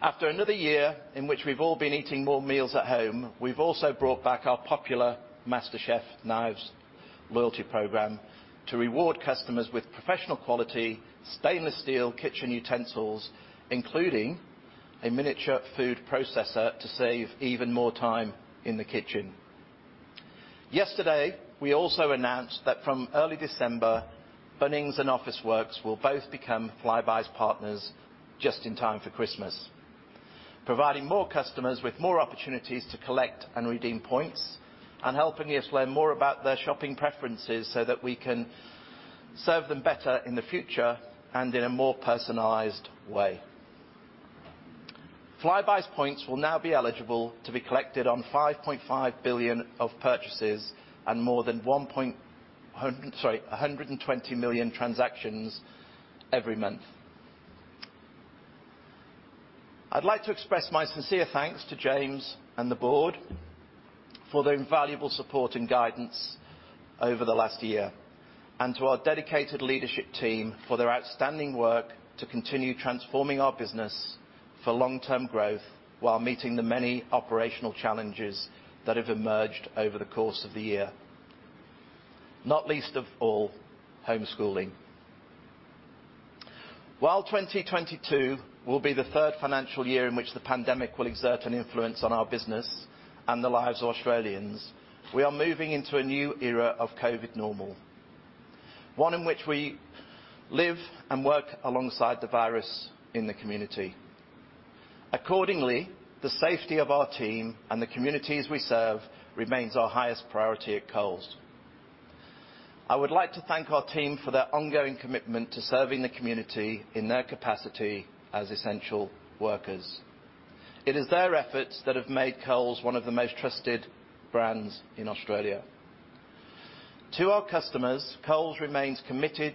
After another year in which we've all been eating more meals at home, we've also brought back our popular MasterChef Knives loyalty program to reward customers with professional-quality stainless steel kitchen utensils, including a miniature food processor to save even more time in the kitchen. Yesterday, we also announced that from early December, Bunnings and Officeworks will both become Flybuys partners just in time for Christmas, providing more customers with more opportunities to collect and redeem points and helping us learn more about their shopping preferences so that we can serve them better in the future and in a more personalized way. Flybuys points will now be eligible to be collected on 5.5 billion of purchases and more than 120 million transactions every month. I'd like to express my sincere thanks to James and the board for their invaluable support and guidance over the last year and to our dedicated leadership team for their outstanding work to continue transforming our business for long-term growth while meeting the many operational challenges that have emerged over the course of the year, not least of all homeschooling. While 2022 will be the third financial year in which the pandemic will exert an influence on our business and the lives of Australians, we are moving into a new era of COVID normal, one in which we live and work alongside the virus in the community. Accordingly, the safety of our team and the communities we serve remains our highest priority at Coles. I would like to thank our team for their ongoing commitment to serving the community in their capacity as essential workers. It is their efforts that have made Coles one of the most trusted brands in Australia. To our customers, Coles remains committed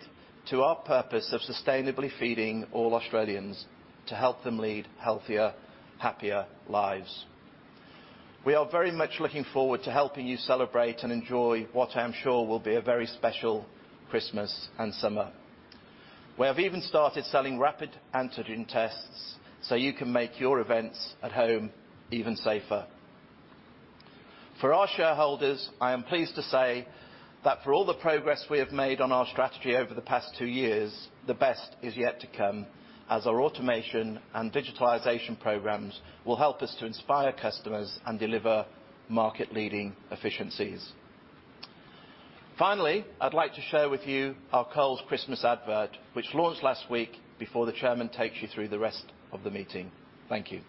to our purpose of sustainably feeding all Australians to help them lead healthier, happier lives. We are very much looking forward to helping you celebrate and enjoy what I am sure will be a very special Christmas and summer. We have even started selling rapid antigen tests so you can make your events at home even safer. For our shareholders, I am pleased to say that for all the progress we have made on our strategy over the past two years, the best is yet to come as our automation and digitalization programs will help us to inspire customers and deliver market-leading efficiencies. Finally, I'd like to share with you our Coles Christmas advert, which launched last week before the chairman takes you through the rest of the meeting. Thank you.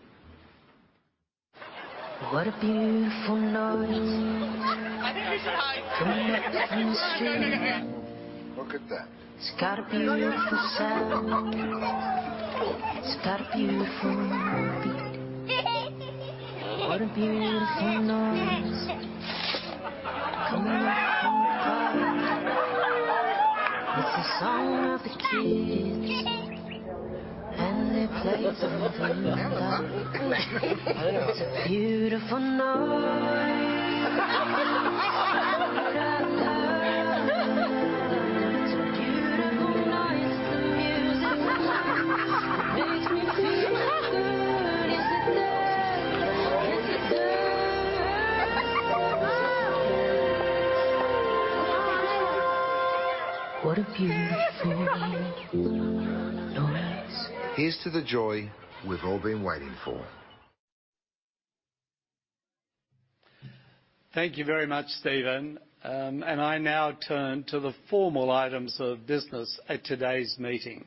Thank you very much, Steven. I now turn to the formal items of business at today's meeting.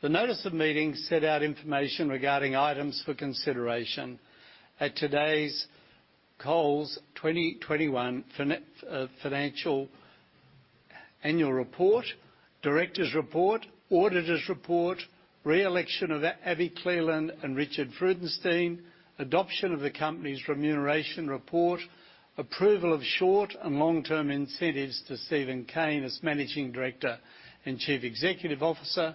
The notice of meeting set out information regarding items for consideration at today's Coles 2021 financial annual report, Directors' Report, Auditors' Report, re-election of Abi Cleland and Richard Freudenstein, adoption of the company's Remuneration Report, approval of short and long-term incentives to Steven Cain as Managing Director and Chief Executive Officer,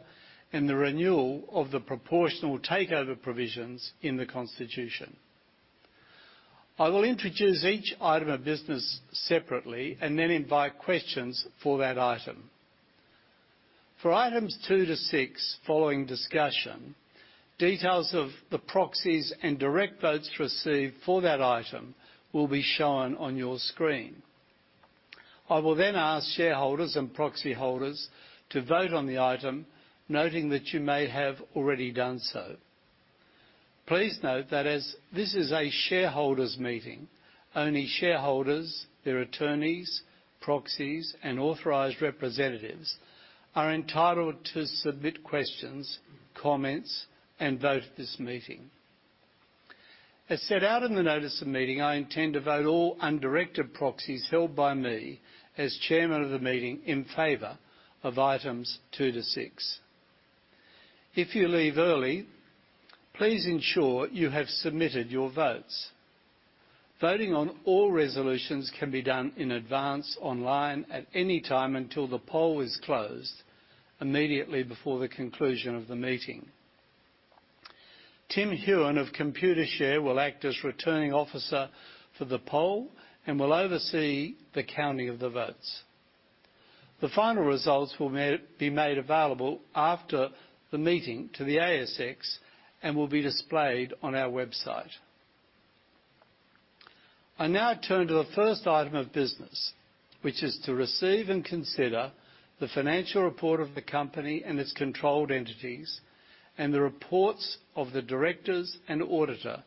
and the renewal of the proportional takeover provisions in the constitution. I will introduce each item of business separately and then invite questions for that item. For items two to six following discussion, details of the proxies and direct votes received for that item will be shown on your screen. I will then ask shareholders and proxy holders to vote on the item, noting that you may have already done so. Please note that as this is a shareholders' meeting, only shareholders, their attorneys, proxies, and authorized representatives are entitled to submit questions, comments, and vote at this meeting. As set out in the notice of meeting, I intend to vote all undirected proxies held by me as chairman of the meeting in favour of items two to six. If you leave early, please ensure you have submitted your votes. Voting on all resolutions can be done in advance online at any time until the poll is closed immediately before the conclusion of the meeting. Tim Hughan of Computershare will act as returning officer for the poll and will oversee the counting of the votes. The final results will be made available after the meeting to the ASX and will be displayed on our website. I now turn to the first item of business, which is to receive and consider the financial report of the company and its controlled entities and the reports of the directors and auditor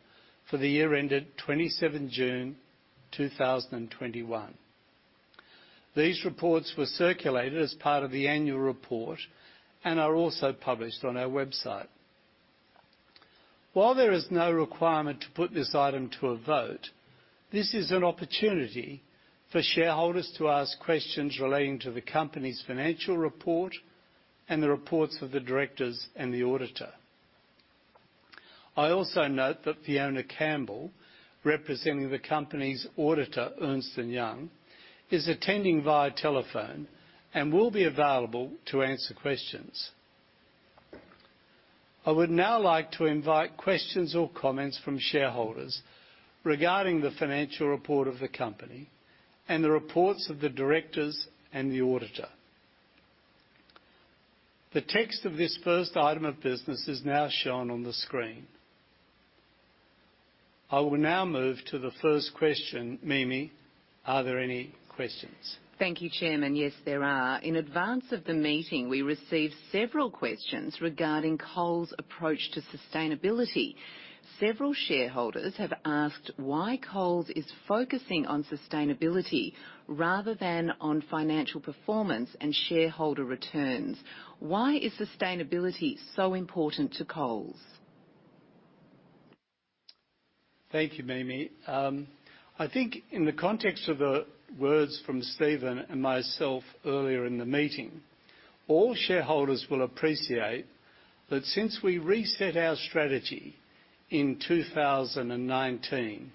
for the year ended 27 June 2021. These reports were circulated as part of the annual report and are also published on our website. While there is no requirement to put this item to a vote, this is an opportunity for shareholders to ask questions relating to the company's financial report and the reports of the directors and the auditor. I also note that Fiona Campbell, representing the company's auditor, Ernst & Young, is attending via telephone and will be available to answer questions. I would now like to invite questions or comments from shareholders regarding the financial report of the company and the reports of the directors and the auditor. The text of this first item of business is now shown on the screen. I will now move to the first question, Mimi. Are there any questions? Thank you, Chairman. Yes, there are. In advance of the meeting, we received several questions regarding Coles' approach to sustainability. Several shareholders have asked why Coles is focusing on sustainability rather than on financial performance and shareholder returns. Why is sustainability so important to Coles? Thank you, Mimi. I think in the context of the words from Steven and myself earlier in the meeting, all shareholders will appreciate that since we reset our strategy in 2019,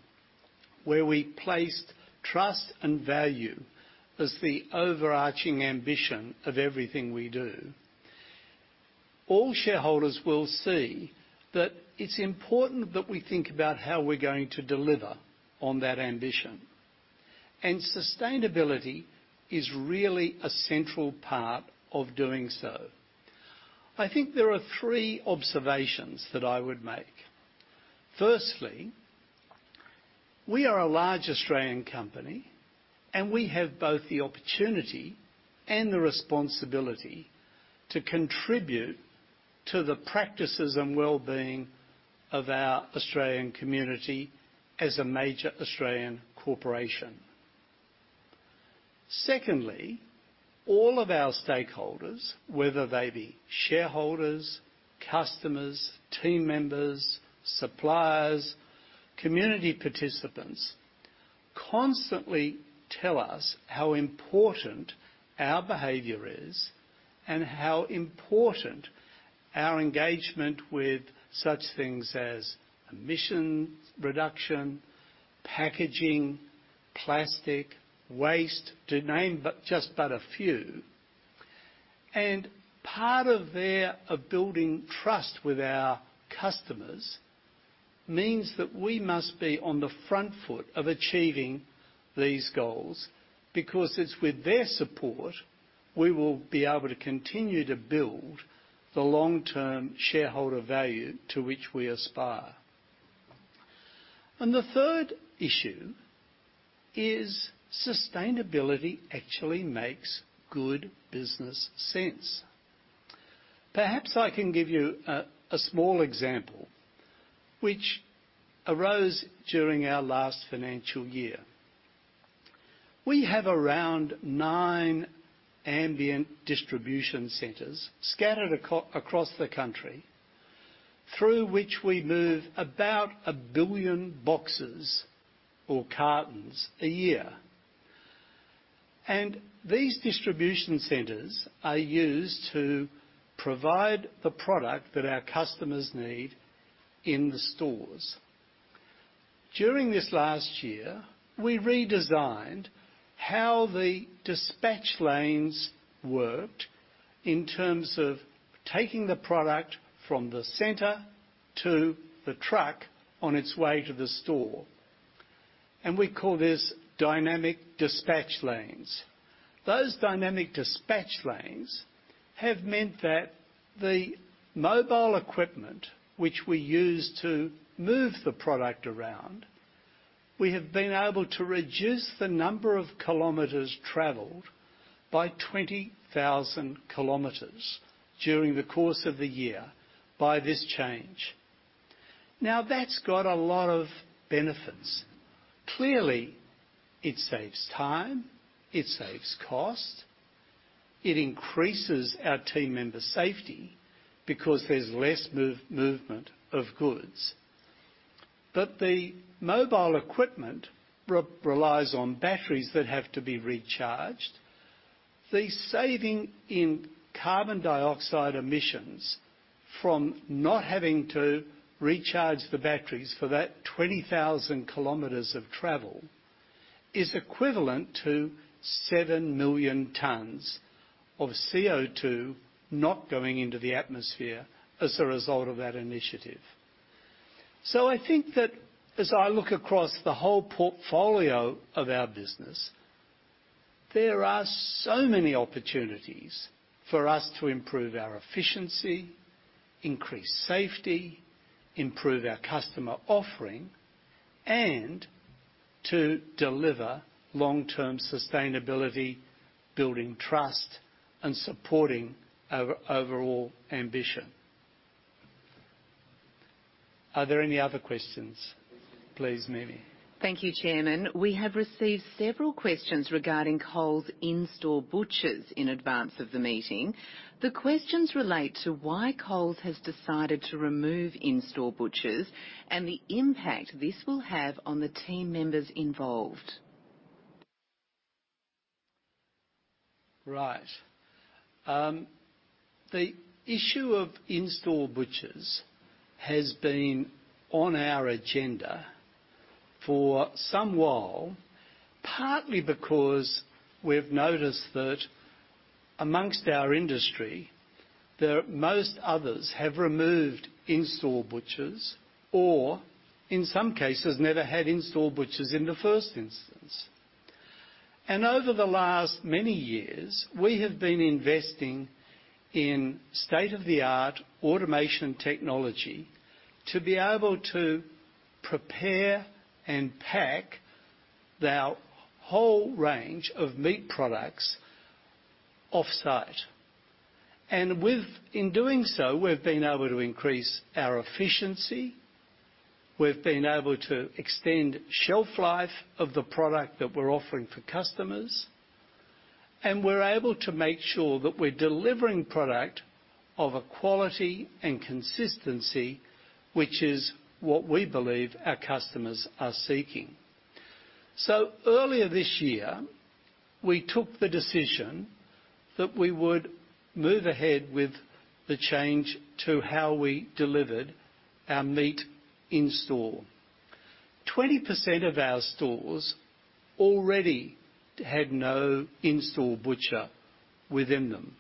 where we placed trust and value as the overarching ambition of everything we do, all shareholders will see that it's important that we think about how we're going to deliver on that ambition, and sustainability is really a central part of doing so. I think there are three observations that I would make. Firstly, we are a large Australian company, and we have both the opportunity and the responsibility to contribute to the practices and well-being of our Australian community as a major Australian corporation. Secondly, all of our stakeholders, whether they be shareholders, customers, team members, suppliers, community participants, constantly tell us how important our behavior is and how important our engagement with such things as emission reduction, packaging, plastic, waste, to name just but a few, and part of that building trust with our customers means that we must be on the front foot of achieving these goals because it's with their support we will be able to continue to build the long-term shareholder value to which we aspire, and the third issue is sustainability actually makes good business sense. Perhaps I can give you a small example which arose during our last financial year. We have around nine ambient distribution centers scattered across the country through which we move about a billion boxes or cartons a year. These distribution centers are used to provide the product that our customers need in the stores. During this last year, we redesigned how the dispatch lanes worked in terms of taking the product from the center to the truck on its way to the store. We call this Dynamic Dispatch Lanes. Those Dynamic Dispatch Lanes have meant that the mobile equipment which we use to move the product around, we have been able to reduce the number of kilometers travelled by 20,000 kilometers during the course of the year by this change. Now, that's got a lot of benefits. Clearly, it saves time, it saves cost, it increases our team member safety because there's less movement of goods. But the mobile equipment relies on batteries that have to be recharged. The saving in carbon dioxide emissions from not having to recharge the batteries for that 20,000 km of travel is equivalent to 7 million tons of CO2 not going into the atmosphere as a result of that initiative. So I think that as I look across the whole portfolio of our business, there are so many opportunities for us to improve our efficiency, increase safety, improve our customer offering, and to deliver long-term sustainability, building trust, and supporting our overall ambition. Are there any other questions? Please, Mimi. Thank you, Chairman. We have received several questions regarding Coles' in-store butchers in advance of the meeting. The questions relate to why Coles has decided to remove in-store butchers and the impact this will have on the team members involved. Right. The issue of in-store butchers has been on our agenda for some while, partly because we've noticed that amongst our industry, most others have removed in-store butchers or, in some cases, never had in-store butchers in the first instance. And over the last many years, we have been investing in state-of-the-art automation technology to be able to prepare and pack their whole range of meat products off-site. And in doing so, we've been able to increase our efficiency, we've been able to extend shelf life of the product that we're offering for customers, and we're able to make sure that we're delivering product of a quality and consistency, which is what we believe our customers are seeking. So earlier this year, we took the decision that we would move ahead with the change to how we delivered our meat in-store. 20% of our stores already had no in-store butcher within them.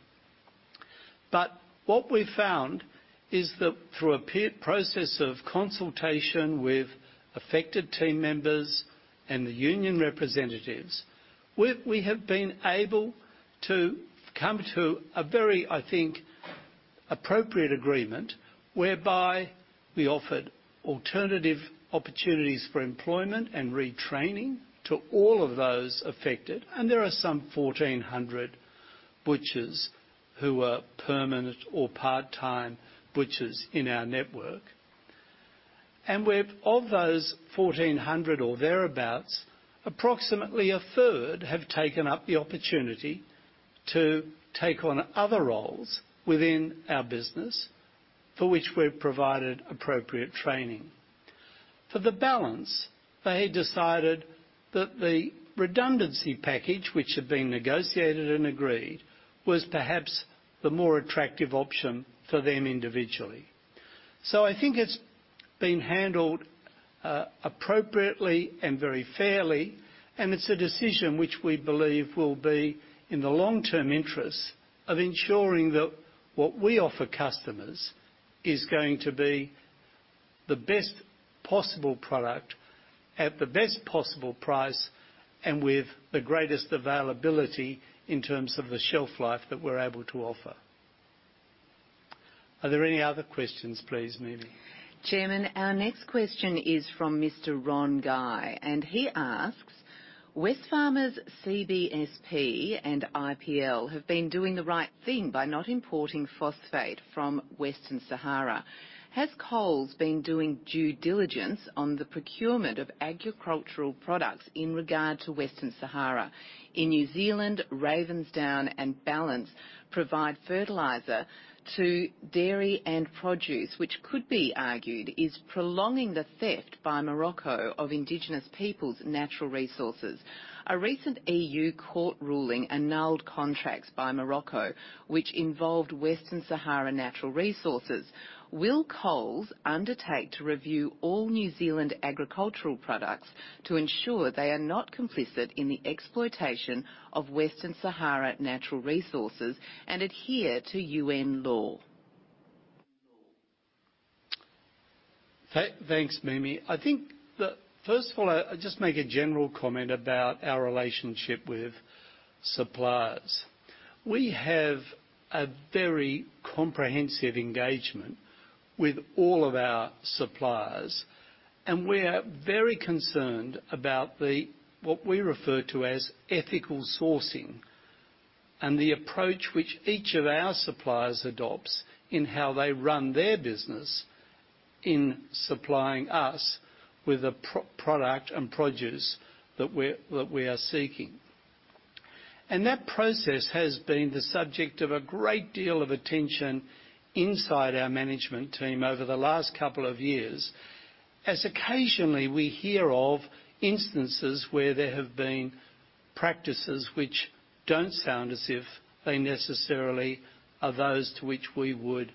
But what we found is that through a process of consultation with affected team members and the union representatives, we have been able to come to a very, I think, appropriate agreement whereby we offered alternative opportunities for employment and retraining to all of those affected. And there are some 1,400 butchers who are permanent or part-time butchers in our network. And of those 1,400 or thereabouts, approximately a third have taken up the opportunity to take on other roles within our business for which we've provided appropriate training. For the balance, they decided that the redundancy package, which had been negotiated and agreed, was perhaps the more attractive option for them individually. So I think it's been handled appropriately and very fairly, and it's a decision which we believe will be in the long-term interests of ensuring that what we offer customers is going to be the best possible product at the best possible price and with the greatest availability in terms of the shelf life that we're able to offer. Are there any other questions, please, Mimi? Chairman, our next question is from Mr. Ron Guy, and he asks, "Wesfarmers CSBP and IPL have been doing the right thing by not importing phosphate from Western Sahara. Has Coles been doing due diligence on the procurement of agricultural products in regard to Western Sahara? In New Zealand, Ravensdown and Ballance provide fertilizer to dairy and produce, which could be argued is prolonging the theft by Morocco of indigenous peoples' natural resources. A recent E.U. court ruling annulled contracts by Morocco, which involved Western Sahara natural resources. Will Coles undertake to review all New Zealand agricultural products to ensure they are not complicit in the exploitation of Western Sahara natural resources and adhere to U.N. law?" Thanks, Mimi. I think that, first of all, I'll just make a general comment about our relationship with suppliers. We have a very comprehensive engagement with all of our suppliers, and we are very concerned about what we refer to as ethical sourcing and the approach which each of our suppliers adopts in how they run their business in supplying us with the product and produce that we are seeking. And that process has been the subject of a great deal of attention inside our management team over the last couple of years, as occasionally we hear of instances where there have been practices which don't sound as if they necessarily are those to which we would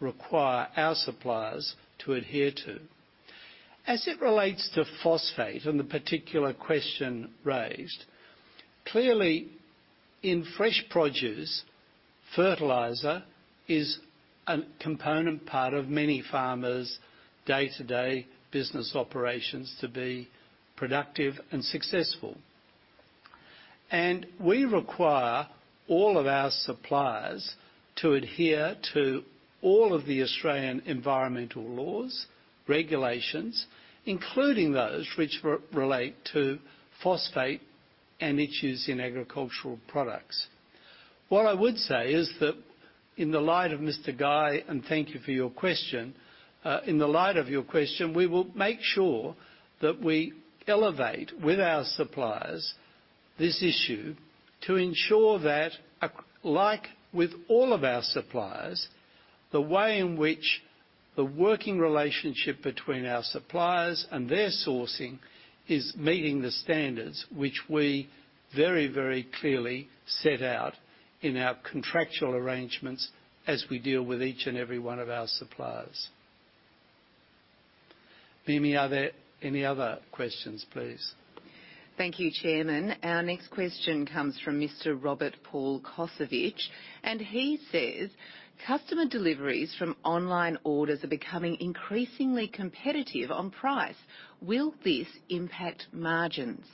require our suppliers to adhere to. As it relates to phosphate and the particular question raised, clearly, in fresh produce, fertilizer is a component part of many farmers' day-to-day business operations to be productive and successful. And we require all of our suppliers to adhere to all of the Australian environmental laws, regulations, including those which relate to phosphate and its use in agricultural products. What I would say is that in the light of Mr. Guy, and thank you for your question. In the light of your question, we will make sure that we elevate with our suppliers this issue to ensure that, like with all of our suppliers, the way in which the working relationship between our suppliers and their sourcing is meeting the standards which we very, very clearly set out in our contractual arrangements as we deal with each and every one of our suppliers. Mimi, are there any other questions, please? Thank you, Chairman. Our next question comes from Mr. Robert Paul Kosovic, and he says, "Customer deliveries from online orders are becoming increasingly competitive on price. Will this impact margins?"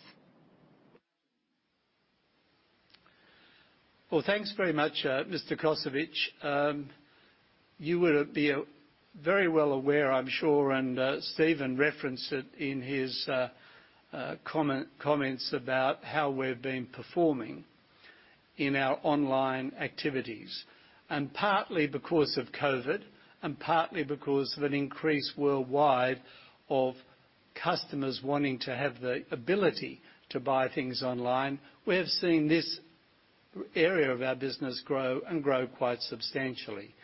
Well, thanks very much, Mr. Kosovic. You would be very well aware, I'm sure, and Steven referenced it in his comments about how we've been performing in our online activities, and partly because of COVID and partly because of an increase worldwide of customers wanting to have the ability to buy things online, we have seen this area of our business grow and grow quite substantially.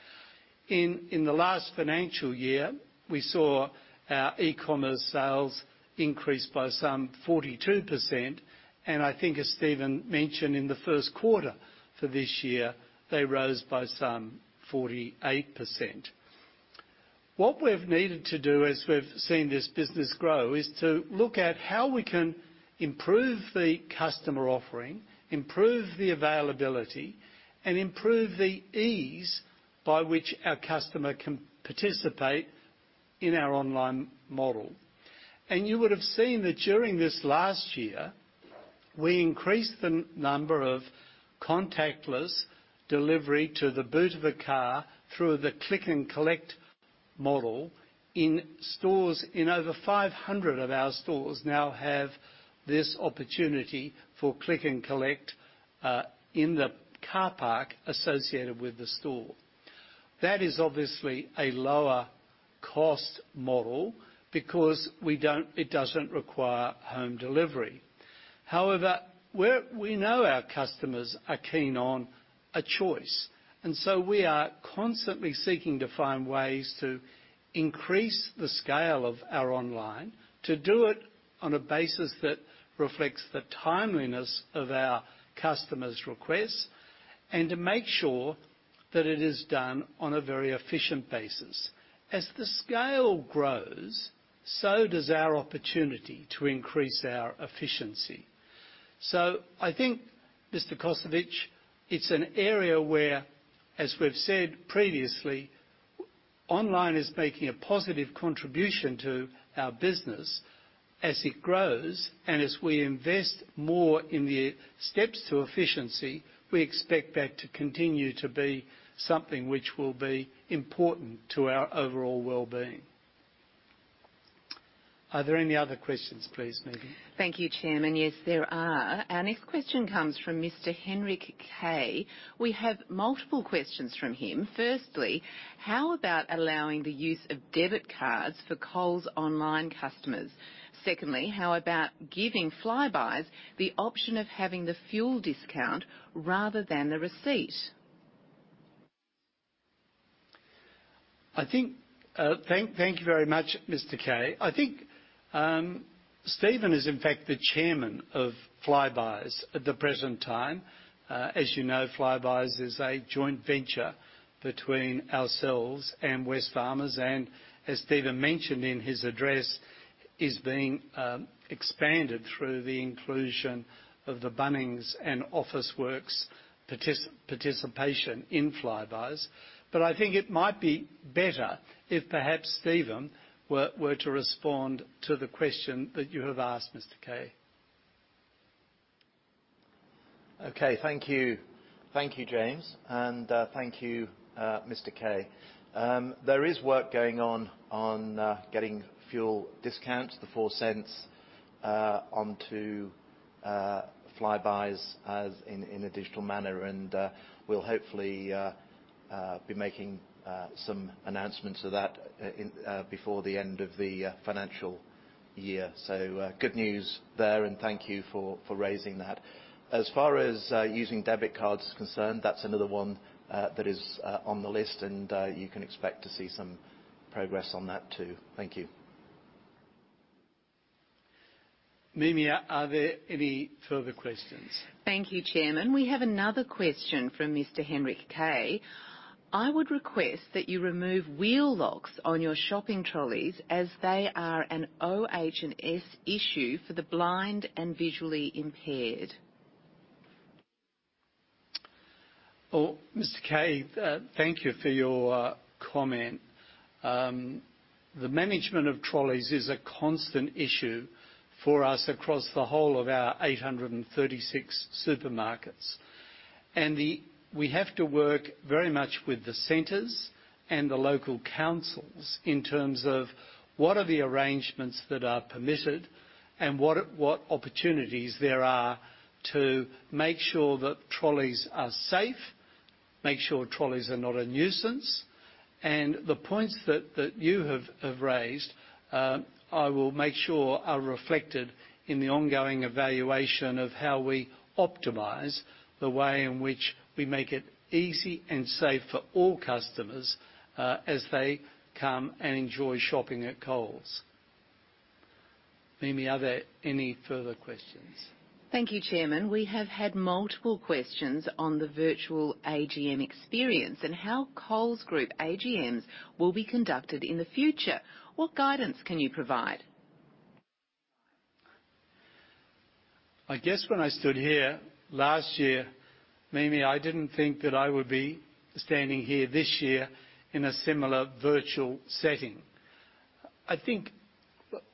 In the last financial year, we saw our e-commerce sales increase by some 42%, and I think, as Steven mentioned, in the first quarter for this year, they rose by some 48%. What we've needed to do as we've seen this business grow is to look at how we can improve the customer offering, improve the availability, and improve the ease by which our customer can participate in our online model. You would have seen that during this last year, we increased the number of contactless delivery to the boot of a car through the click-and-collect model. In stores, over 500 of our stores now have this opportunity for click-and-collect in the car park associated with the store. That is obviously a lower-cost model because it doesn't require home delivery. However, we know our customers are keen on a choice, and so we are constantly seeking to find ways to increase the scale of our online, to do it on a basis that reflects the timeliness of our customers' requests, and to make sure that it is done on a very efficient basis. As the scale grows, so does our opportunity to increase our efficiency. So I think, Mr. Kosovic, it's an area where, as we've said previously, online is making a positive contribution to our business as it grows, and as we invest more in the steps to efficiency, we expect that to continue to be something which will be important to our overall well-being. Are there any other questions, please, Mimi? Thank you, Chairman. Yes, there are. Our next question comes from Mr. Henry Kay. We have multiple questions from him. Firstly, how about allowing the use of debit cards for Coles online customers? Secondly, how about giving Flybuys the option of having the fuel discount rather than the receipt? Thank you very much, Mr. Kay. I think Steven is, in fact, the chairman of Flybuys at the present time. As you know, Flybuys is a joint venture between ourselves and Wesfarmers, and as Steven mentioned in his address, is being expanded through the inclusion of the Bunnings and Officeworks' participation in Flybuys. But I think it might be better if perhaps Steven were to respond to the question that you have asked, Mr. Kay. Okay. Thank you, James, and thank you, Mr. Kay. There is work going on on getting fuel discounts, the four cents, onto Flybuys in a digital manner, and we'll hopefully be making some announcements of that before the end of the financial year. So good news there, and thank you for raising that. As far as using debit cards is concerned, that's another one that is on the list, and you can expect to see some progress on that too. Thank you. Mimi, are there any further questions? Thank you, Chairman. We have another question from Mr. Henry Kay. "I would request that you remove wheel locks on your shopping trolleys as they are an OH&S issue for the blind and visually impaired." Oh, Mr. Kay, thank you for your comment. The management of trolleys is a constant issue for us across the whole of our 836 supermarkets, and we have to work very much with the centers and the local councils in terms of what are the arrangements that are permitted and what opportunities there are to make sure that trolleys are safe, make sure trolleys are not a nuisance. And the points that you have raised, I will make sure are reflected in the ongoing evaluation of how we optimize the way in which we make it easy and safe for all customers as they come and enjoy shopping at Coles. Mimi, are there any further questions? Thank you, Chairman. We have had multiple questions on the virtual AGM experience and how Coles Group AGMs will be conducted in the future. What guidance can you provide? I guess when I stood here last year, Mimi, I didn't think that I would be standing here this year in a similar virtual setting. I think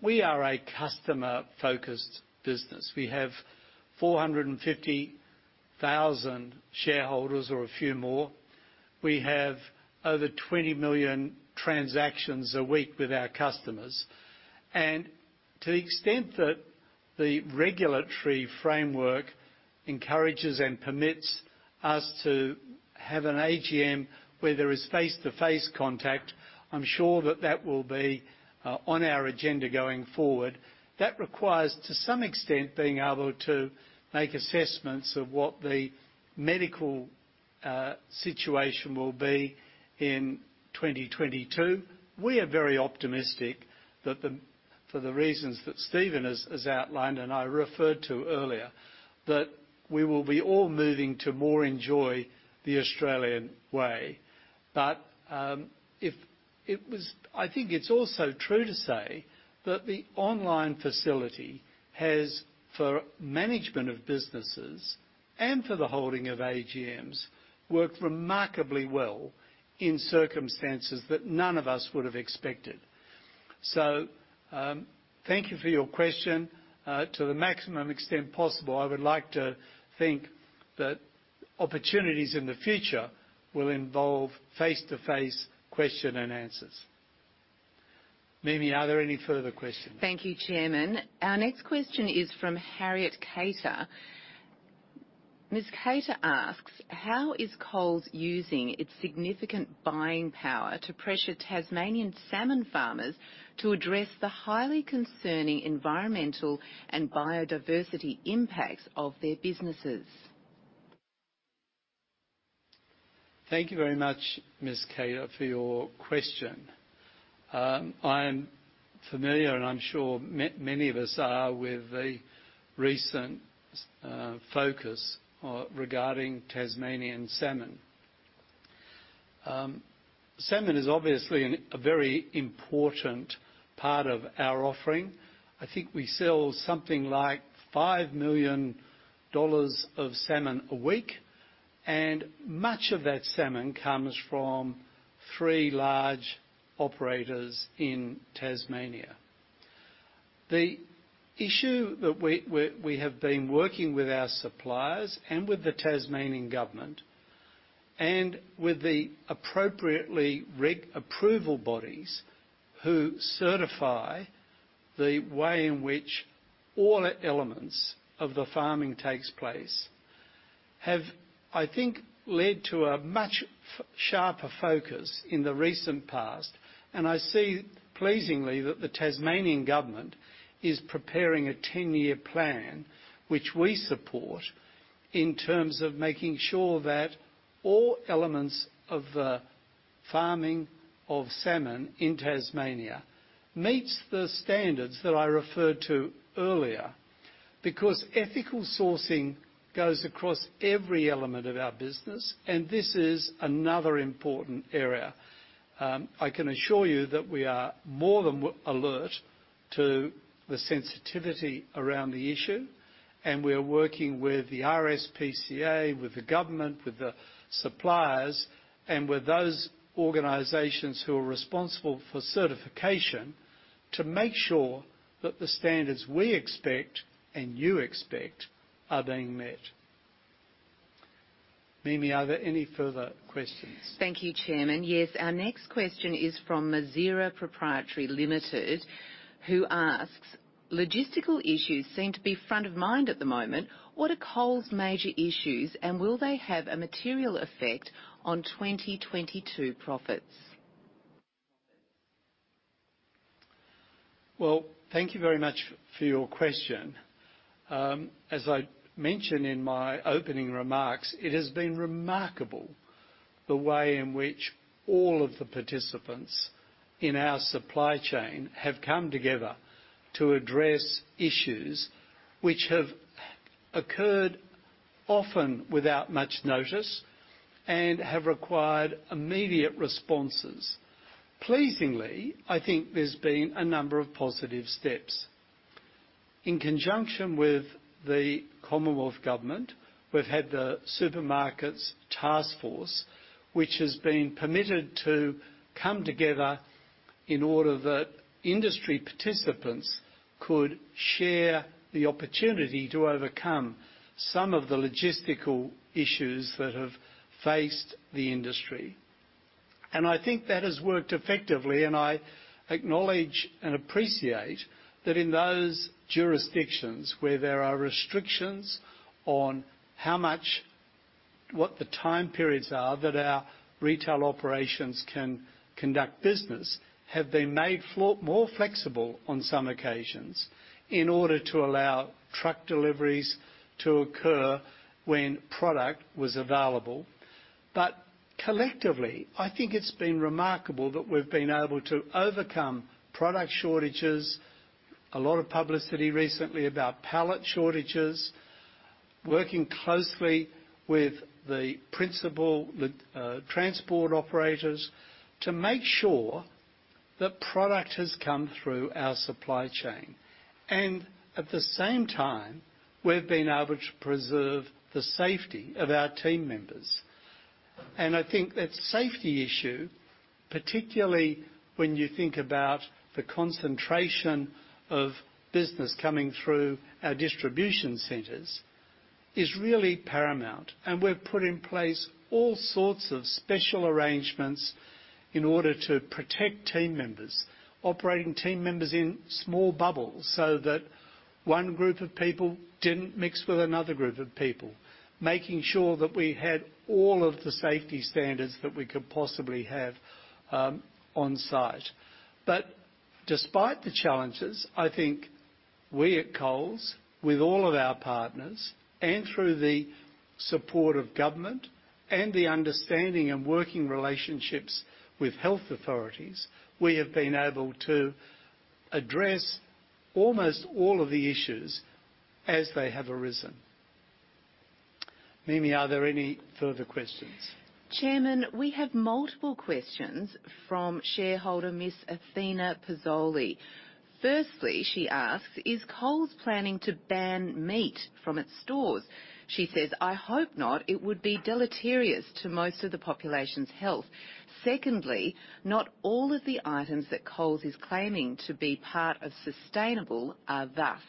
we are a customer-focused business. We have 450,000 shareholders or a few more. We have over 20 million transactions a week with our customers. And to the extent that the regulatory framework encourages and permits us to have an AGM where there is face-to-face contact, I'm sure that that will be on our agenda going forward. That requires, to some extent, being able to make assessments of what the medical situation will be in 2022. We are very optimistic that, for the reasons that Steven has outlined and I referred to earlier, that we will be all moving to more enjoy the Australian way. But I think it's also true to say that the online facility has, for management of businesses and for the holding of AGMs, worked remarkably well in circumstances that none of us would have expected. So thank you for your question. To the maximum extent possible, I would like to think that opportunities in the future will involve face-to-face question and answers. Mimi, are there any further questions? Thank you, Chairman. Our next question is from Harriet Kater. Ms. Kater asks, "How is Coles using its significant buying power to pressure Tasmanian salmon farmers to address the highly concerning environmental and biodiversity impacts of their businesses?" Thank you very much, Ms. Kater, for your question. I am familiar, and I'm sure many of us are, with the recent focus regarding Tasmanian salmon. Salmon is obviously a very important part of our offering. I think we sell something like 5 million dollars of salmon a week, and much of that salmon comes from three large operators in Tasmania. The issue that we have been working with our suppliers and with the Tasmanian Government and with the appropriately rigorous approval bodies who certify the way in which all elements of the farming take place have, I think, led to a much sharper focus in the recent past. I see pleasingly that the Tasmanian Government is preparing a 10-year plan, which we support, in terms of making sure that all elements of the farming of salmon in Tasmania meet the standards that I referred to earlier because ethical sourcing goes across every element of our business, and this is another important area. I can assure you that we are more than alert to the sensitivity around the issue, and we are working with the RSPCA, with the government, with the suppliers, and with those organisations who are responsible for certification to make sure that the standards we expect and you expect are being met. Mimi, are there any further questions? Thank you, Chairman. Yes, our next question is from Mazira Pty Ltd, who asks, "Logistical issues seem to be front of mind at the moment. What are Coles' major issues, and will they have a material effect on 2022 profits?" Well, thank you very much for your question. As I mentioned in my opening remarks, it has been remarkable the way in which all of the participants in our supply chain have come together to address issues which have occurred often without much notice and have required immediate responses. Pleasingly, I think there's been a number of positive steps. In conjunction with the Commonwealth Government, we've had the Supermarkets Task Force, which has been permitted to come together in order that industry participants could share the opportunity to overcome some of the logistical issues that have faced the industry. I think that has worked effectively, and I acknowledge and appreciate that in those jurisdictions where there are restrictions on what the time periods are that our retail operations can conduct business have been made more flexible on some occasions in order to allow truck deliveries to occur when product was available. But collectively, I think it's been remarkable that we've been able to overcome product shortages, a lot of publicity recently about pallet shortages, working closely with the principal transport operators to make sure that product has come through our supply chain. And at the same time, we've been able to preserve the safety of our team members. And I think that safety issue, particularly when you think about the concentration of business coming through our distribution centers, is really paramount. We've put in place all sorts of special arrangements in order to protect team members, operating team members in small bubbles so that one group of people didn't mix with another group of people, making sure that we had all of the safety standards that we could possibly have on site. But despite the challenges, I think we at Coles, with all of our partners and through the support of government and the understanding and working relationships with health authorities, we have been able to address almost all of the issues as they have arisen. Mimi, are there any further questions? Chairman, we have multiple questions from shareholder Ms. Athena Pasoulis. Firstly, she asks, "Is Coles planning to ban meat from its stores?" She says, "I hope not. It would be deleterious to most of the population's health." Secondly, "Not all of the items that Coles is claiming to be part of sustainability are thus.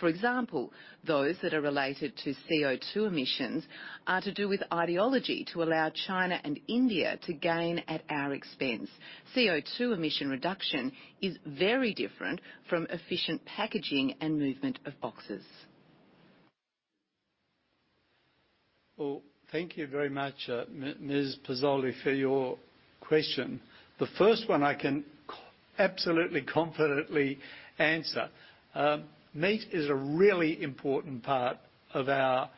For example, those that are related to CO2 emissions are to do with ideology to allow China and India to gain at our expense. CO2 emission reduction is very different from efficient packaging and movement of boxes." Thank you very much, Ms. Pasoulis, for your question. The first one I can absolutely confidently answer. Meat is a really important part of our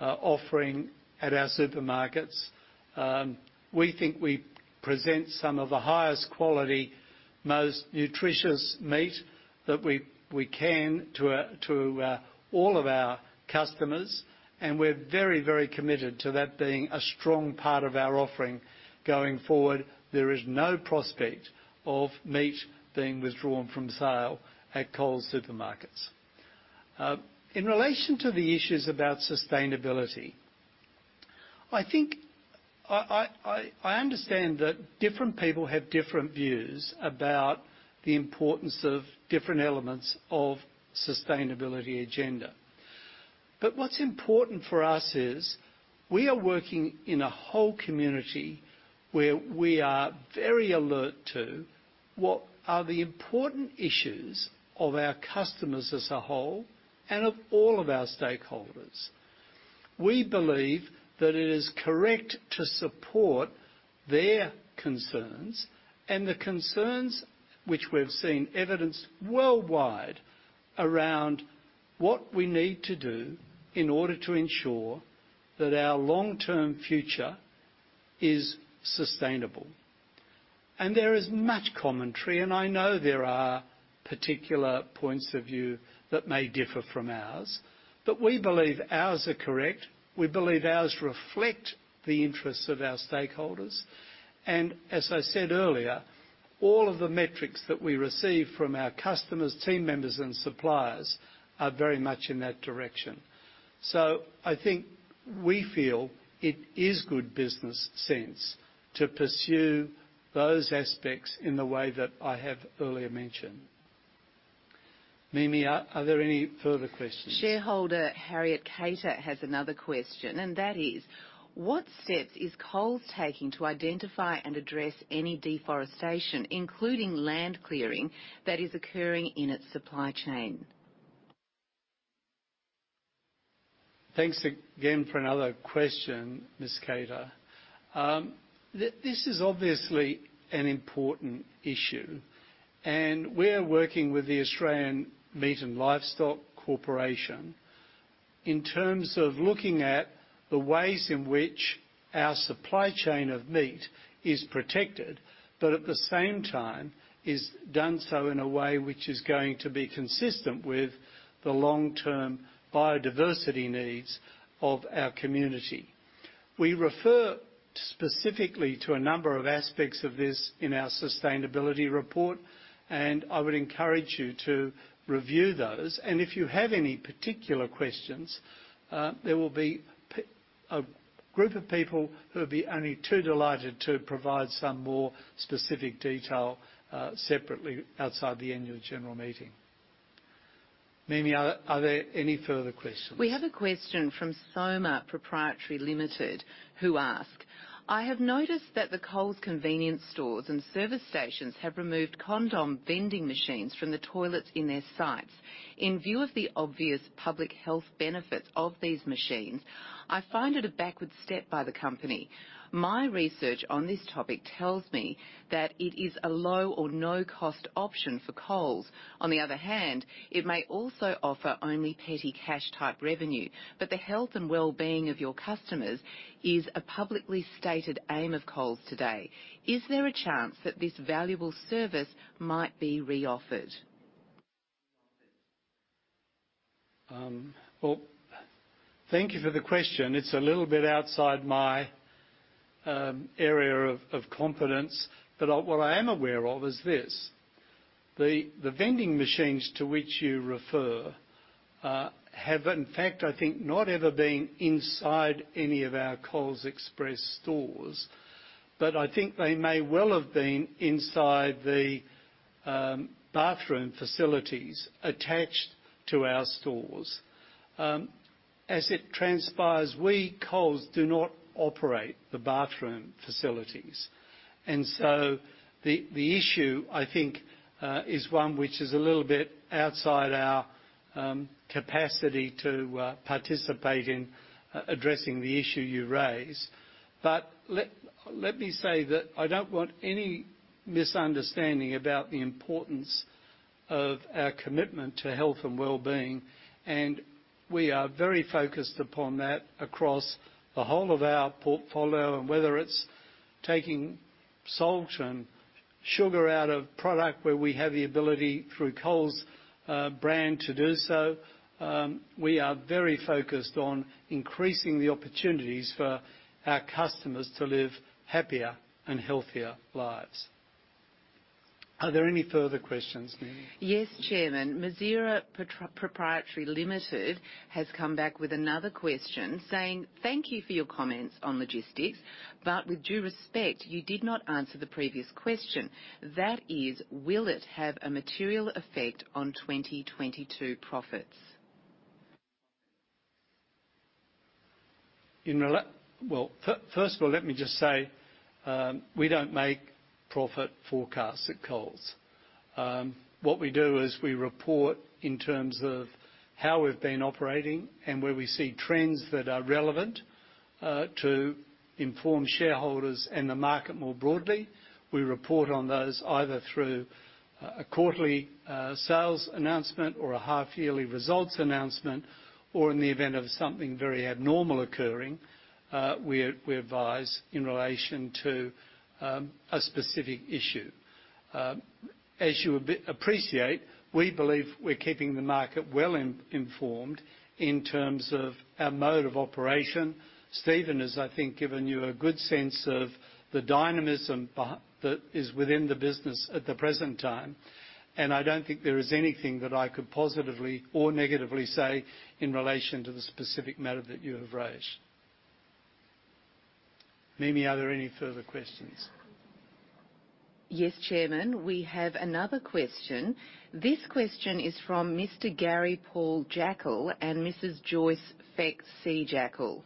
offering at our supermarkets. We think we present some of the highest quality, most nutritious meat that we can to all of our customers, and we're very, very committed to that being a strong part of our offering going forward. There is no prospect of meat being withdrawn from sale at Coles Supermarkets. In relation to the issues about sustainability, I think I understand that different people have different views about the importance of different elements of the sustainability agenda. But what's important for us is we are working in a whole community where we are very alert to what are the important issues of our customers as a whole and of all of our stakeholders. We believe that it is correct to support their concerns and the concerns which we've seen evidenced worldwide around what we need to do in order to ensure that our long-term future is sustainable. And there is much commentary, and I know there are particular points of view that may differ from ours, but we believe ours are correct. We believe ours reflect the interests of our stakeholders. As I said earlier, all of the metrics that we receive from our customers, team members, and suppliers are very much in that direction. So I think we feel it is good business sense to pursue those aspects in the way that I have earlier mentioned. Mimi, are there any further questions? Shareholder Harriet Kater has another question, and that is, "What steps is Coles taking to identify and address any deforestation, including land clearing, that is occurring in its supply chain?" Thanks again for another question, Ms. Kater. This is obviously an important issue, and we're working with the Australian Meat and Livestock Corporation in terms of looking at the ways in which our supply chain of meat is protected, but at the same time is done so in a way which is going to be consistent with the long-term biodiversity needs of our community. We refer specifically to a number of aspects of this in our sustainability report, and I would encourage you to review those. If you have any particular questions, there will be a group of people who would be only too delighted to provide some more specific detail separately outside the annual general meeting. Mimi, are there any further questions? We have a question from Soma Pty Ltd, who asks, "I have noticed that the Coles convenience stores and service stations have removed condom vending machines from the toilets in their sites. In view of the obvious public health benefits of these machines, I find it a backward step by the company. My research on this topic tells me that it is a low or no-cost option for Coles. On the other hand, it may also offer only petty cash-type revenue, but the health and well-being of your customers is a publicly stated aim of Coles today. Is there a chance that this valuable service might be reoffered?" Well, thank you for the question. It's a little bit outside my area of competence, but what I am aware of is this: the vending machines to which you refer have, in fact, I think, not ever been inside any of our Coles Express stores, but I think they may well have been inside the bathroom facilities attached to our stores. As it transpires, we Coles do not operate the bathroom facilities. And so the issue, I think, is one which is a little bit outside our capacity to participate in addressing the issue you raise. But let me say that I don't want any misunderstanding about the importance of our commitment to health and well-being, and we are very focused upon that across the whole of our portfolio. And whether it's taking salt and sugar out of product where we have the ability through Coles Brand to do so, we are very focused on increasing the opportunities for our customers to live happier and healthier lives. Are there any further questions, Mimi? Yes, Chairman. Mazira Pty Ltd has come back with another question saying, "Thank you for your comments on logistics, but with due respect, you did not answer the previous question. That is, will it have a material effect on 2022 profits?" Well, first of all, let me just say we don't make profit forecasts at Coles. What we do is we report in terms of how we've been operating and where we see trends that are relevant to inform shareholders and the market more broadly. We report on those either through a quarterly sales announcement or a half-yearly results announcement, or in the event of something very abnormal occurring, we advise in relation to a specific issue. As you appreciate, we believe we're keeping the market well informed in terms of our mode of operation. Steven has, I think, given you a good sense of the dynamism that is within the business at the present time, and I don't think there is anything that I could positively or negatively say in relation to the specific matter that you have raised. Mimi, are there any further questions? Yes, Chairman. We have another question. This question is from Mr. Gary Paul Jackel and Mrs. Joyce Jackel.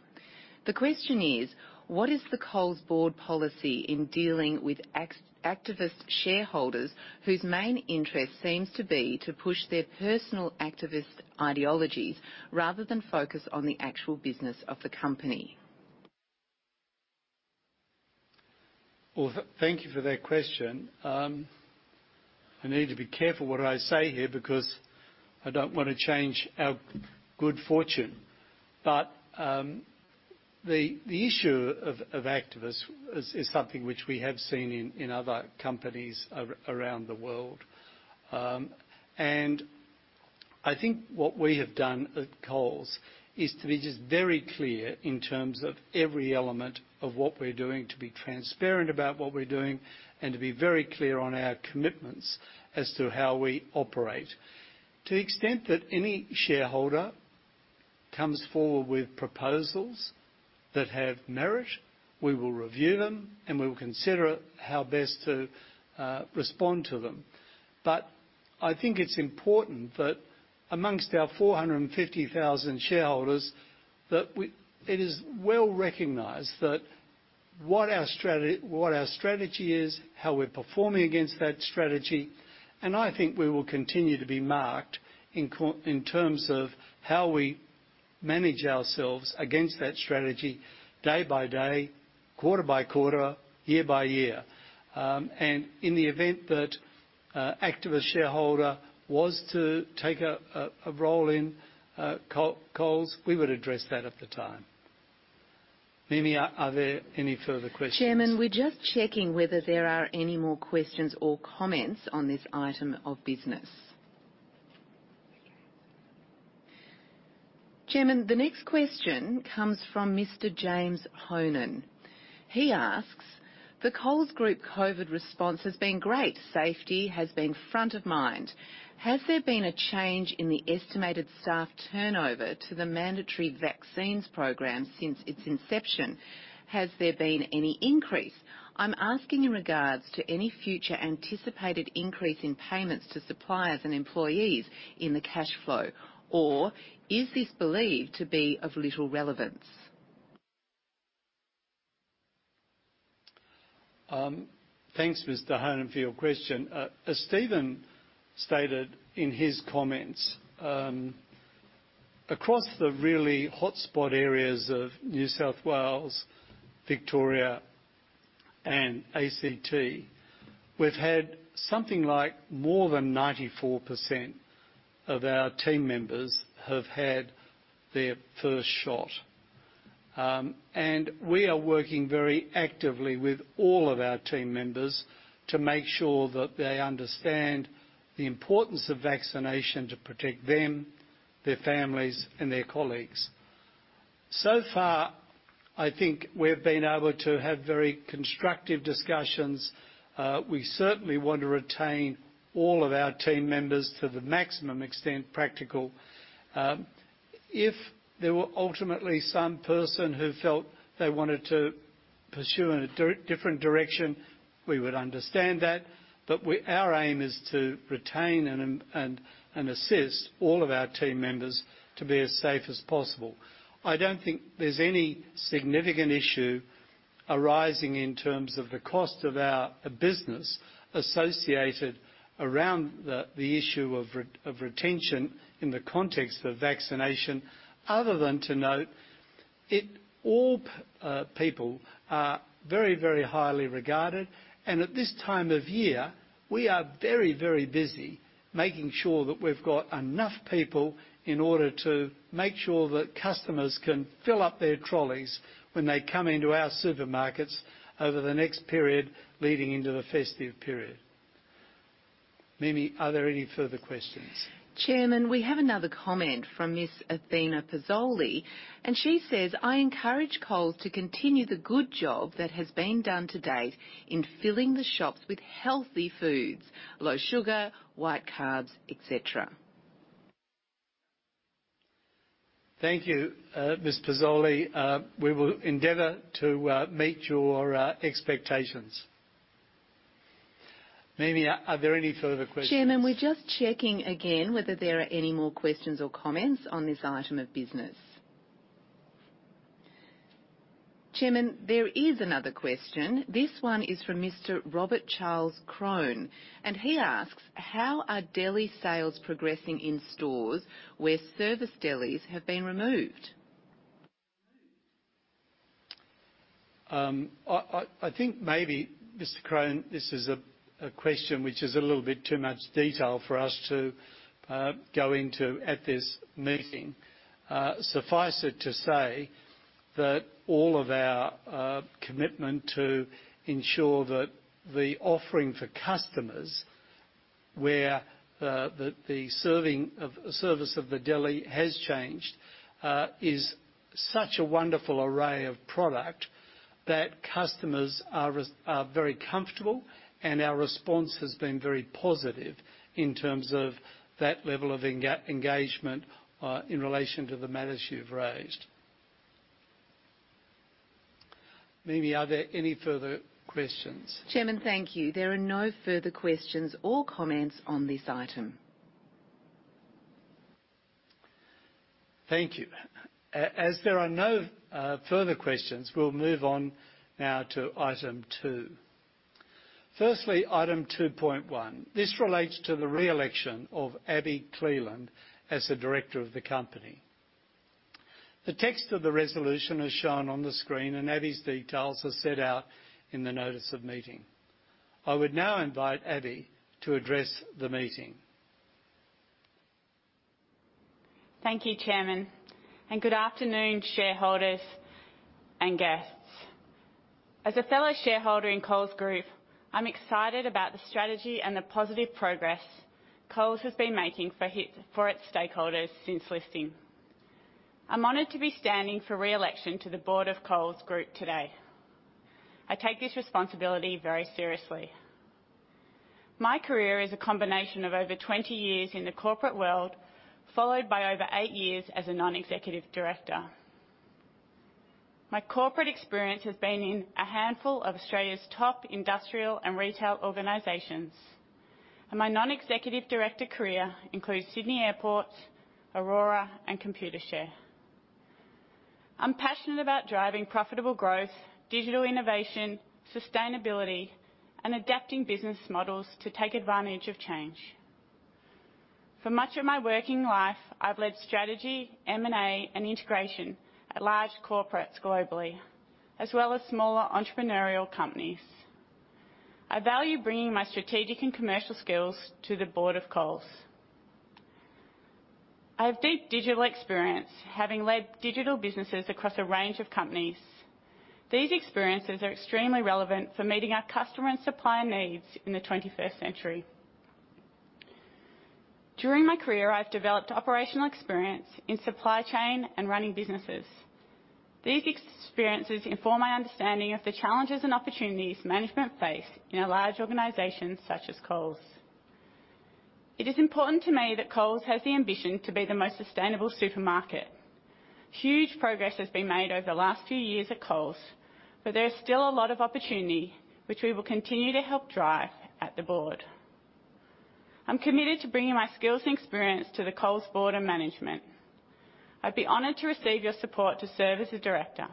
The question is, "What is the Coles board policy in dealing with activist shareholders whose main interest seems to be to push their personal activist ideologies rather than focus on the actual business of the company?" Well, thank you for that question. I need to be careful what I say here because I don't want to change our good fortune. But the issue of activists is something which we have seen in other companies around the world. And I think what we have done at Coles is to be just very clear in terms of every element of what we're doing, to be transparent about what we're doing, and to be very clear on our commitments as to how we operate. To the extent that any shareholder comes forward with proposals that have merit, we will review them, and we will consider how best to respond to them. But I think it's important that amongst our 450,000 shareholders, it is well recognized what our strategy is, how we're performing against that strategy. And I think we will continue to be marked in terms of how we manage ourselves against that strategy day by day, quarter by quarter, year by year. And in the event that activist shareholder was to take a role in Coles, we would address that at the time. Mimi, are there any further questions? Chairman, we're just checking whether there are any more questions or comments on this item of business. Chairman, the next question comes from Mr. James Honan. He asks, "The Coles Group COVID response has been great. Safety has been front of mind. Has there been a change in the estimated staff turnover to the mandatory vaccines program since its inception? Has there been any increase? I'm asking in regards to any future anticipated increase in payments to suppliers and employees in the cash flow, or is this believed to be of little relevance?" Thanks, Mr. Honan, for your question. As Steven stated in his comments, across the really hotspot areas of New South Wales, Victoria, and ACT, we've had something like more than 94% of our team members have had their first shot, and we are working very actively with all of our team members to make sure that they understand the importance of vaccination to protect them, their families, and their colleagues. So far, I think we've been able to have very constructive discussions. We certainly want to retain all of our team members to the maximum extent practical. If there were ultimately some person who felt they wanted to pursue in a different direction, we would understand that. But our aim is to retain and assist all of our team members to be as safe as possible. I don't think there's any significant issue arising in terms of the cost of our business associated around the issue of retention in the context of vaccination, other than to note all people are very, very highly regarded. And at this time of year, we are very, very busy making sure that we've got enough people in order to make sure that customers can fill up their trolleys when they come into our supermarkets over the next period leading into the festive period. Mimi, are there any further questions? Chairman, we have another comment from Ms. Athena Pasoulis, and she says, "I encourage Coles to continue the good job that has been done to date in filling the shops with healthy foods, low sugar, white carbs, etc." Thank you, Ms. Pasoulis. We will endeavor to meet your expectations. Mimi, are there any further questions? Chairman, we're just checking again whether there are any more questions or comments on this item of business. Chairman, there is another question. This one is from Mr. Robert Charles Crone, and he asks, "How are deli sales progressing in stores where service delis have been removed?" I think maybe, Mr. Crone, this is a question which is a little bit too much detail for us to go into at this meeting. Suffice it to say that all of our commitment to ensure that the offering for customers where the service of the deli has changed is such a wonderful array of product that customers are very comfortable, and our response has been very positive in terms of that level of engagement in relation to the matters you've raised. Mimi, are there any further questions? Chairman, thank you. There are no further questions or comments on this item. Thank you. As there are no further questions, we'll move on now to item two. Firstly, item 2.1. This relates to the re-election of Abi Cleland as the director of the company. The text of the resolution is shown on the screen, and Abi's details are set out in the notice of meeting. I would now invite Abi to address the meeting. Thank you, Chairman. And good afternoon, shareholders and guests. As a fellow shareholder in Coles Group, I'm excited about the strategy and the positive progress Coles has been making for its stakeholders since listing. I'm honoured to be standing for re-election to the board of Coles Group today. I take this responsibility very seriously. My career is a combination of over 20 years in the corporate world, followed by over eight years as a non-executive director. My corporate experience has been in a handful of Australia's top industrial and retail organizations, and my non-executive director career includes Sydney Airport, Orora, and Computershare. I'm passionate about driving profitable growth, digital innovation, sustainability, and adapting business models to take advantage of change. For much of my working life, I've led strategy, M&A, and integration at large corporates globally, as well as smaller entrepreneurial companies. I value bringing my strategic and commercial skills to the board of Coles. I have deep digital experience, having led digital businesses across a range of companies. These experiences are extremely relevant for meeting our customer and supplier needs in the 21st century. During my career, I've developed operational experience in supply chain and running businesses. These experiences inform my understanding of the challenges and opportunities management face in a large organization such as Coles. It is important to me that Coles has the ambition to be the most sustainable supermarket. Huge progress has been made over the last few years at Coles, but there is still a lot of opportunity, which we will continue to help drive at the board. I'm committed to bringing my skills and experience to the Coles board and management. I'd be honoured to receive your support to serve as a director.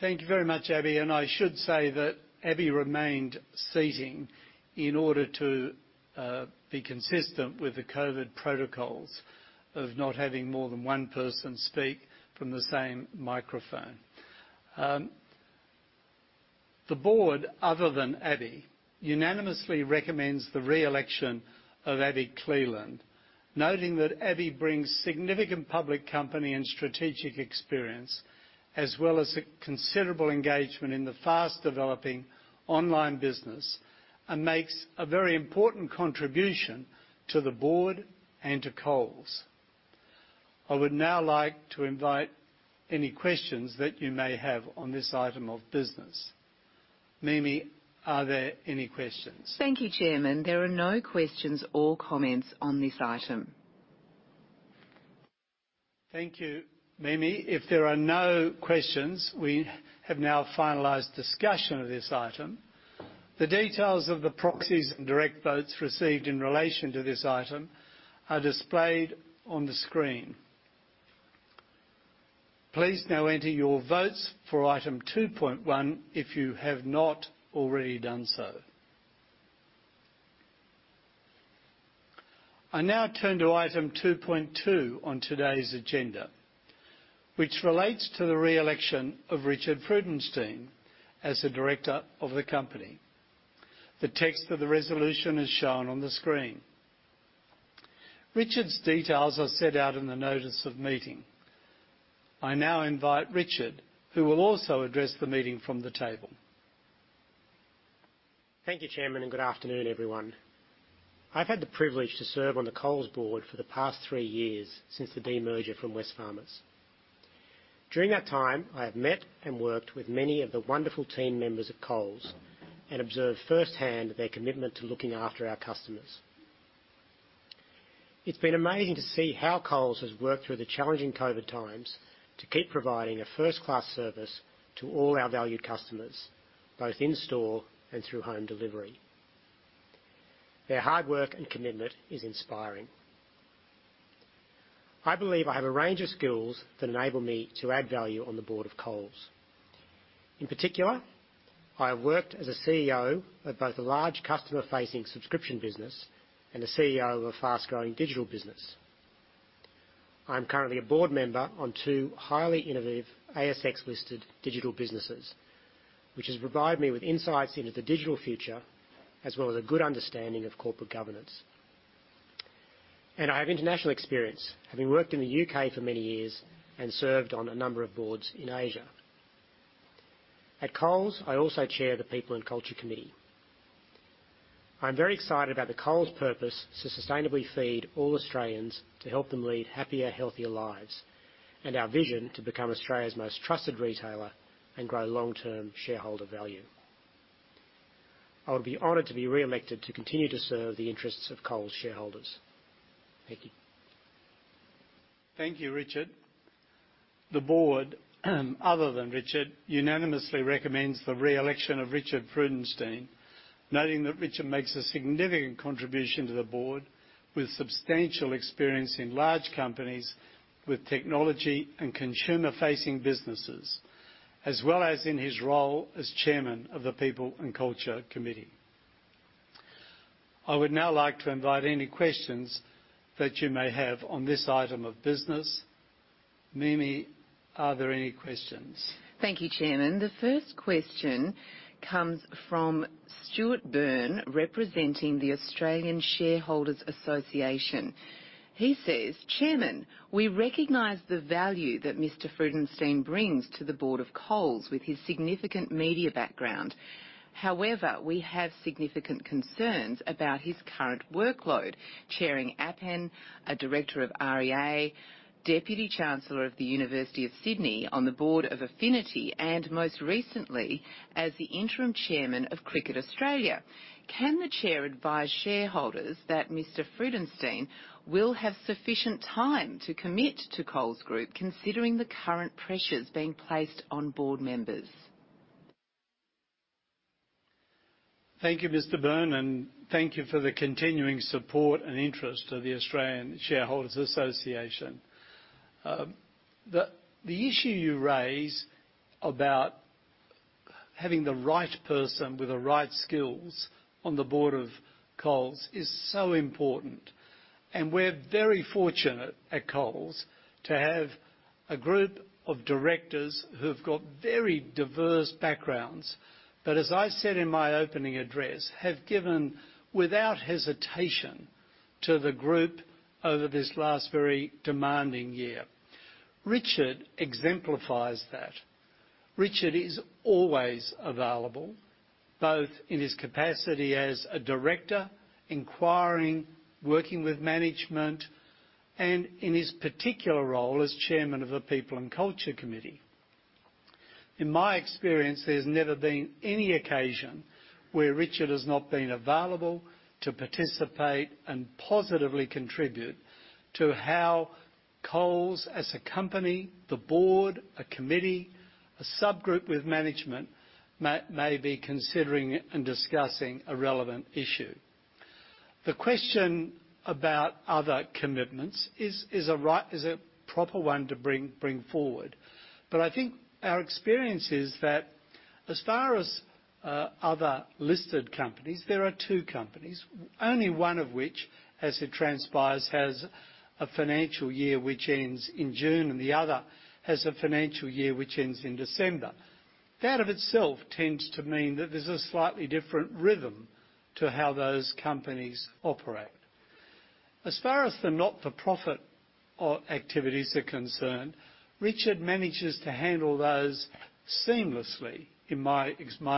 Thank you very much, Abi, and I should say that Abi remained seated in order to be consistent with the COVID protocols of not having more than one person speak from the same microphone. The board, other than Abi, unanimously recommends the re-election of Abi Cleland, noting that Abi brings significant public company and strategic experience, as well as a considerable engagement in the fast-developing online business, and makes a very important contribution to the board and to Coles. I would now like to invite any questions that you may have on this item of business. Mimi, are there any questions? Thank you, Chairman. There are no questions or comments on this item. Thank you, Mimi. If there are no questions, we have now finalized discussion of this item. The details of the proxies and direct votes received in relation to this item are displayed on the screen. Please now enter your votes for item 2.1 if you have not already done so. I now turn to item 2.2 on today's agenda, which relates to the re-election of Richard Freudenstein as the director of the company. The text of the resolution is shown on the screen. Richard's details are set out in the notice of meeting. I now invite Richard, who will also address the meeting from the table. Thank you, Chairman, and good afternoon, everyone. I've had the privilege to serve on the Coles board for the past three years since the demerger from Wesfarmers. During that time, I have met and worked with many of the wonderful team members of Coles and observed firsthand their commitment to looking after our customers. It's been amazing to see how Coles has worked through the challenging COVID times to keep providing a first-class service to all our valued customers, both in-store and through home delivery. Their hard work and commitment is inspiring. I believe I have a range of skills that enable me to add value on the board of Coles. In particular, I have worked as a CEO of both a large customer-facing subscription business and a CEO of a fast-growing digital business. I'm currently a board member on two highly innovative ASX-listed digital businesses, which has provided me with insights into the digital future, as well as a good understanding of corporate governance. And I have international experience, having worked in the U.K. for many years and served on a number of boards in Asia. At Coles, I also chair the People and Culture Committee. I'm very excited about the Coles' purpose to sustainably feed all Australians to help them lead happier, healthier lives and our vision to become Australia's most trusted retailer and grow long-term shareholder value. I would be honored to be re-elected to continue to serve the interests of Coles shareholders. Thank you. Thank you, Richard. The board, other than Richard, unanimously recommends the re-election of Richard Freudenstein, noting that Richard makes a significant contribution to the board with substantial experience in large companies with technology and consumer-facing businesses, as well as in his role as chairman of the People and Culture Committee. I would now like to invite any questions that you may have on this item of business. Mimi, are there any questions? Thank you, Chairman. The first question comes from Stuart Byrne, representing the Australian Shareholders' Association. He says, "Chairman, we recognize the value that Mr. Freudenstein brings to the board of Coles with his significant media background. However, we have significant concerns about his current workload, chairing Appen, a director of REA, deputy chancellor of the University of Sydney on the board of Afiniti, and most recently as the interim chairman of Cricket Australia. Can the chair advise shareholders that Mr. Freudenstein will have sufficient time to commit to Coles Group, considering the current pressures being placed on board members?" Thank you, Mr. Byrne, and thank you for the continuing support and interest of the Australian Shareholders' Association. The issue you raise about having the right person with the right skills on the board of Coles is so important. And we're very fortunate at Coles to have a group of directors who've got very diverse backgrounds that, as I said in my opening address, have given without hesitation to the group over this last very demanding year. Richard exemplifies that. Richard is always available, both in his capacity as a director, inquiring, working with management, and in his particular role as Chairman of the People and Culture Committee. In my experience, there's never been any occasion where Richard has not been available to participate and positively contribute to how Coles as a company, the board, a committee, a subgroup with management may be considering and discussing a relevant issue. The question about other commitments is a proper one to bring forward. But I think our experience is that as far as other listed companies, there are two companies, only one of which, as it transpires, has a financial year which ends in June and the other has a financial year which ends in December. That of itself tends to mean that there's a slightly different rhythm to how those companies operate. As far as the not-for-profit activities are concerned, Richard manages to handle those seamlessly, in my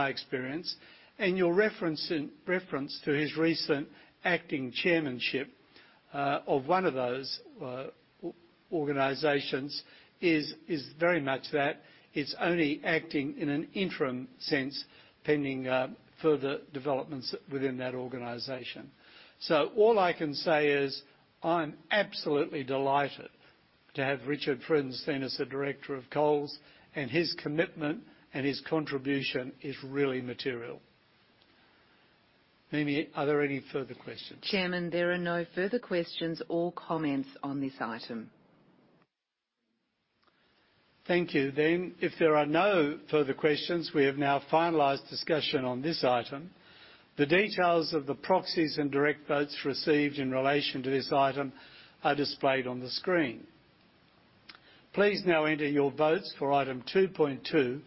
experience. And your reference to his recent acting chairmanship of one of those organizations is very much that. It's only acting in an interim sense, pending further developments within that organization. So all I can say is I'm absolutely delighted to have Richard Freudenstein as the director of Coles, and his commitment and his contribution is really material. Mimi, are there any further questions? Chairman, there are no further questions or comments on this item. Thank you. Then, if there are no further questions, we have now finalised discussion on this item. The details of the proxies and direct votes received in relation to this item are displayed on the screen. Please now enter your votes for item 2.2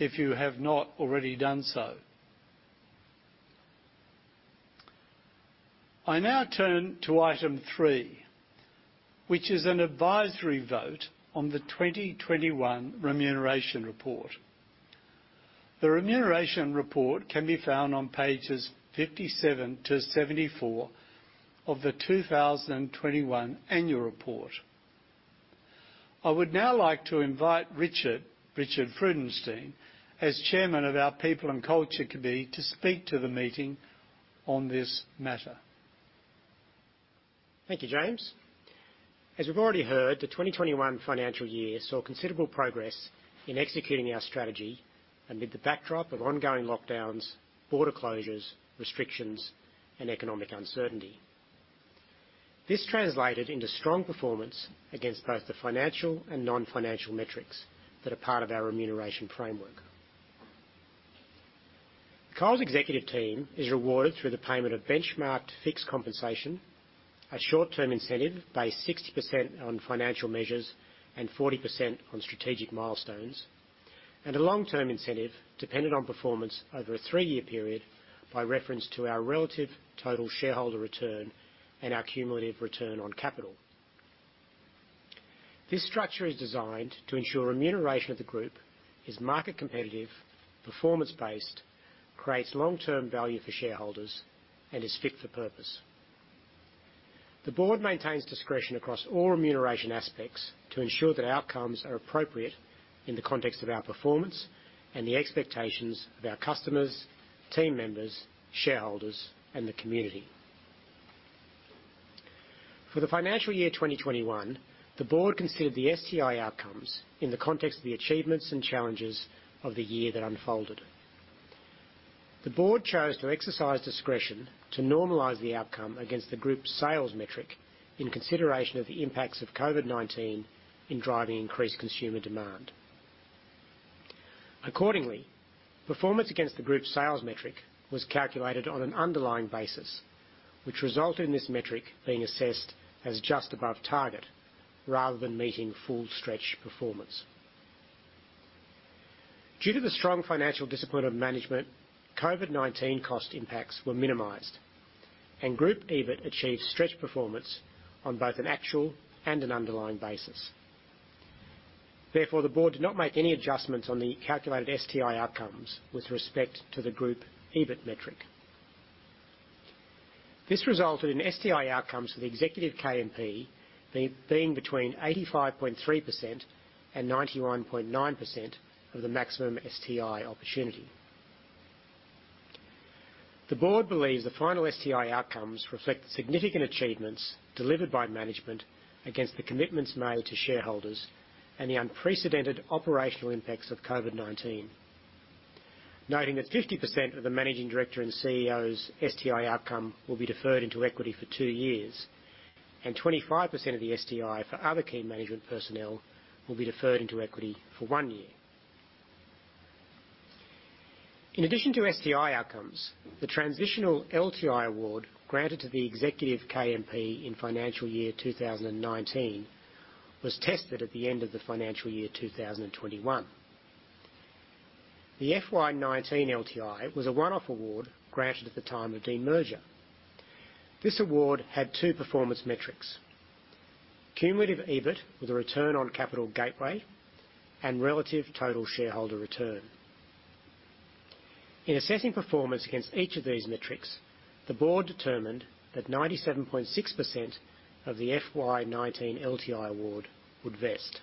if you have not already done so. I now turn to item three, which is an advisory vote on the 2021 remuneration report. The remuneration report can be found on pages 57-74 of the 2021 annual report. I would now like to invite Richard Freudenstein, as chairman of our People and Culture Committee, to speak to the meeting on this matter. Thank you, James. As we've already heard, the 2021 financial year saw considerable progress in executing our strategy amid the backdrop of ongoing lockdowns, border closures, restrictions, and economic uncertainty. This translated into strong performance against both the financial and non-financial metrics that are part of our remuneration framework. Coles' executive team is rewarded through the payment of benchmarked fixed compensation, a short-term incentive based 60% on financial measures and 40% on strategic milestones, and a long-term incentive dependent on performance over a three-year period by reference to our relative total shareholder return and our cumulative return on capital. This structure is designed to ensure remuneration of the group is market competitive, performance-based, creates long-term value for shareholders, and is fit for purpose. The board maintains discretion across all remuneration aspects to ensure that outcomes are appropriate in the context of our performance and the expectations of our customers, team members, shareholders, and the community. For the financial year 2021, the board considered the STI outcomes in the context of the achievements and challenges of the year that unfolded. The board chose to exercise discretion to normalize the outcome against the group's sales metric in consideration of the impacts of COVID-19 in driving increased consumer demand. Accordingly, performance against the group's sales metric was calculated on an underlying basis, which resulted in this metric being assessed as just above target rather than meeting full stretch performance. Due to the strong financial discipline of management, COVID-19 cost impacts were minimized, and Group EBIT achieved stretched performance on both an actual and an underlying basis. Therefore, the board did not make any adjustments on the calculated STI outcomes with respect to the Group EBIT metric. This resulted in STI outcomes for the executive KMP being between 85.3% and 91.9% of the maximum STI opportunity. The board believes the final STI outcomes reflect significant achievements delivered by management against the commitments made to shareholders and the unprecedented operational impacts of COVID-19, noting that 50% of the Managing Director and CEO's STI outcome will be deferred into equity for two years, and 25% of the STI for other key management personnel will be deferred into equity for one year. In addition to STI outcomes, the transitional LTI award granted to the executive KMP in financial year 2019 was tested at the end of the financial year 2021. The FY19 LTI was a one-off award granted at the time of de-merger. This award had two performance metrics: cumulative EBIT with a return on capital gateway and relative total shareholder return. In assessing performance against each of these metrics, the board determined that 97.6% of the FY19 LTI award would vest.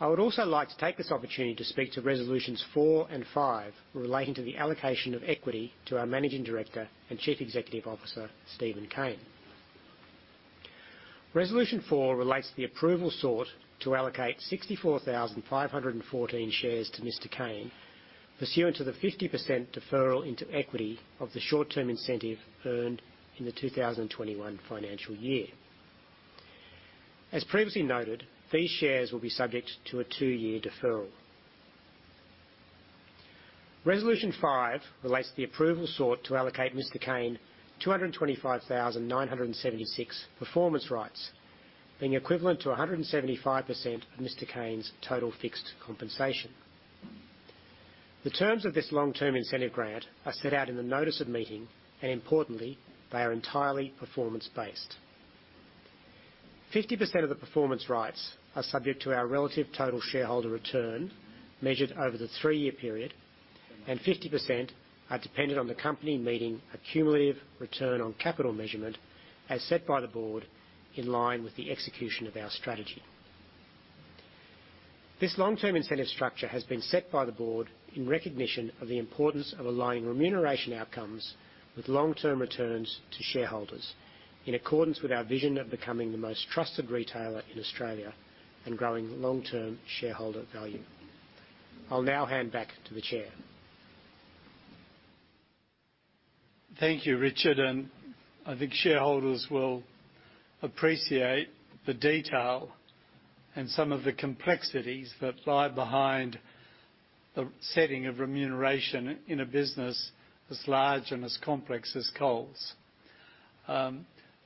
I would also like to take this opportunity to speak to resolutions four and five relating to the allocation of equity to our Managing Director and Chief Executive Officer, Steven Cain. Resolution four relates to the approval sought to allocate 64,514 shares to Mr. Cain, pursuant to the 50% deferral into equity of the short-term incentive earned in the 2021 financial year. As previously noted, these shares will be subject to a two-year deferral. Resolution five relates to the approval sought to allocate Mr. Cain 225,976 performance rights, being equivalent to 175% of Mr. Cain's total fixed compensation. The terms of this long-term incentive grant are set out in the notice of meeting, and importantly, they are entirely performance-based. 50% of the performance rights are subject to our relative total shareholder return measured over the three-year period, and 50% are dependent on the company meeting a cumulative return on capital measurement as set by the board in line with the execution of our strategy. This long-term incentive structure has been set by the board in recognition of the importance of aligning remuneration outcomes with long-term returns to shareholders in accordance with our vision of becoming the most trusted retailer in Australia and growing long-term shareholder value. I'll now hand back to the chair. Thank you, Richard. And I think shareholders will appreciate the detail and some of the complexities that lie behind the setting of remuneration in a business as large and as complex as Coles.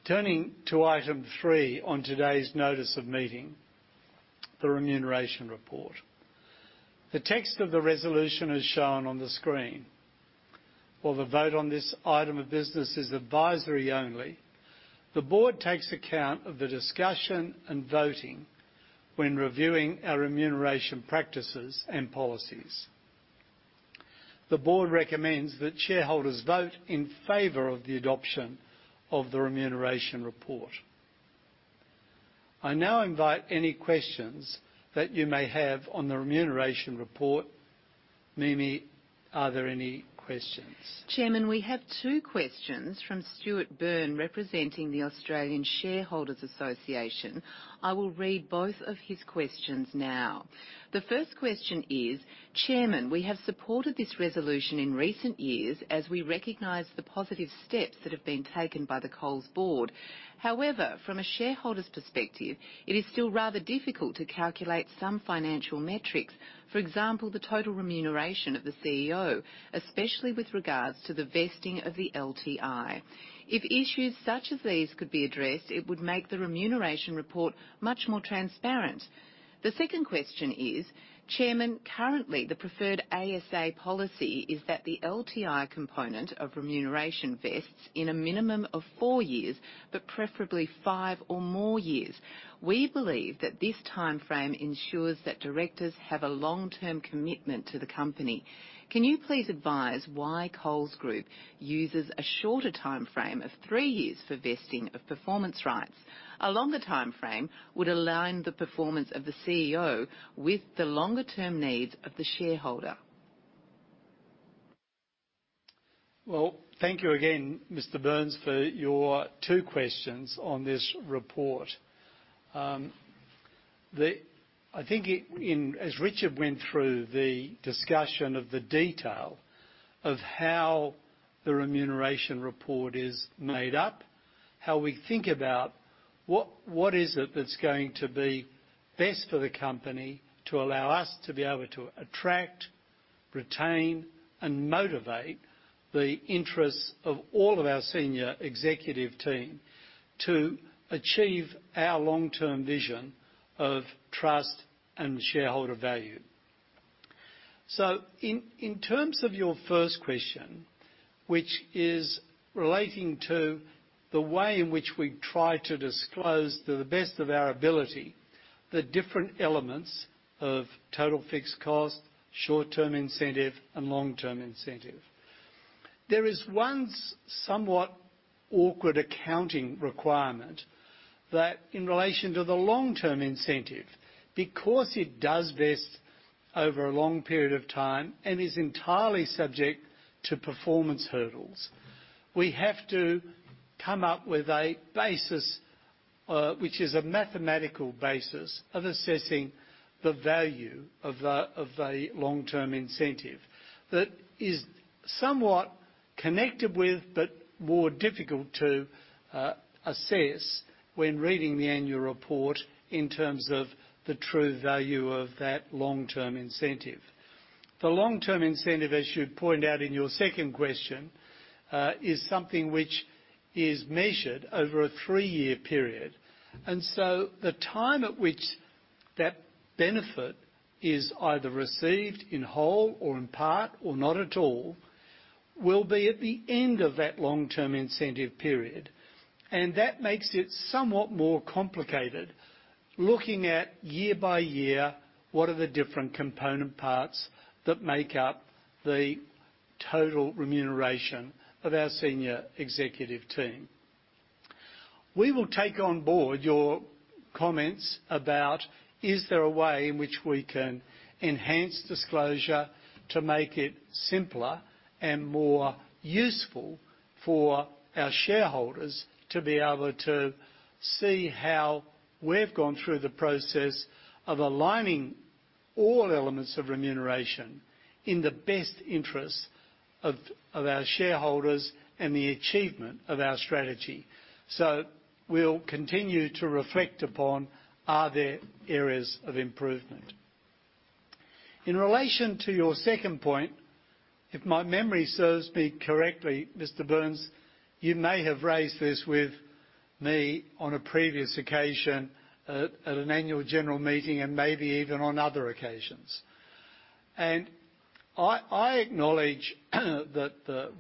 Turning to item three on today's notice of meeting, the remuneration report. The text of the resolution is shown on the screen. While the vote on this item of business is advisory only, the board takes account of the discussion and voting when reviewing our remuneration practices and policies. The board recommends that shareholders vote in favor of the adoption of the remuneration report. I now invite any questions that you may have on the remuneration report. Mimi, are there any questions? Chairman, we have two questions from Stuart Byrne representing the Australian Shareholders' Association. I will read both of his questions now. The first question is, "Chairman, we have supported this resolution in recent years as we recognize the positive steps that have been taken by the Coles board. However, from a shareholder's perspective, it is still rather difficult to calculate some financial metrics, for example, the total remuneration of the CEO, especially with regards to the vesting of the LTI. If issues such as these could be addressed, it would make the remuneration report much more transparent." The second question is, "Chairman, currently the preferred ASA policy is that the LTI component of remuneration vests in a minimum of four years, but preferably five or more years. We believe that this timeframe ensures that directors have a long-term commitment to the company. Can you please advise why Coles Group uses a shorter timeframe of three years for vesting of performance rights? A longer timeframe would align the performance of the CEO with the longer-term needs of the shareholder." Well, thank you again, Mr. Byrne, for your two questions on this report. I think as Richard went through the discussion of the detail of how the remuneration report is made up, how we think about what is it that's going to be best for the company to allow us to be able to attract, retain, and motivate the interests of all of our senior executive team to achieve our long-term vision of trust and shareholder value. So in terms of your first question, which is relating to the way in which we try to disclose to the best of our ability the different elements of total fixed cost, short-term incentive, and long-term incentive, there is one somewhat awkward accounting requirement that in relation to the long-term incentive, because it does vest over a long period of time and is entirely subject to performance hurdles, we have to come up with a basis which is a mathematical basis of assessing the value of the long-term incentive that is somewhat connected with but more difficult to assess when reading the annual report in terms of the true value of that long-term incentive. The long-term incentive, as you point out in your second question, is something which is measured over a three-year period. And so the time at which that benefit is either received in whole or in part or not at all will be at the end of that long-term incentive period. And that makes it somewhat more complicated looking at year by year what are the different component parts that make up the total remuneration of our senior executive team. We will take on board your comments about is there a way in which we can enhance disclosure to make it simpler and more useful for our shareholders to be able to see how we've gone through the process of aligning all elements of remuneration in the best interest of our shareholders and the achievement of our strategy. So we'll continue to reflect upon are there areas of improvement. In relation to your second point, if my memory serves me correctly, Mr. Byrne, you may have raised this with me on a previous occasion at an annual general meeting and maybe even on other occasions, and I acknowledge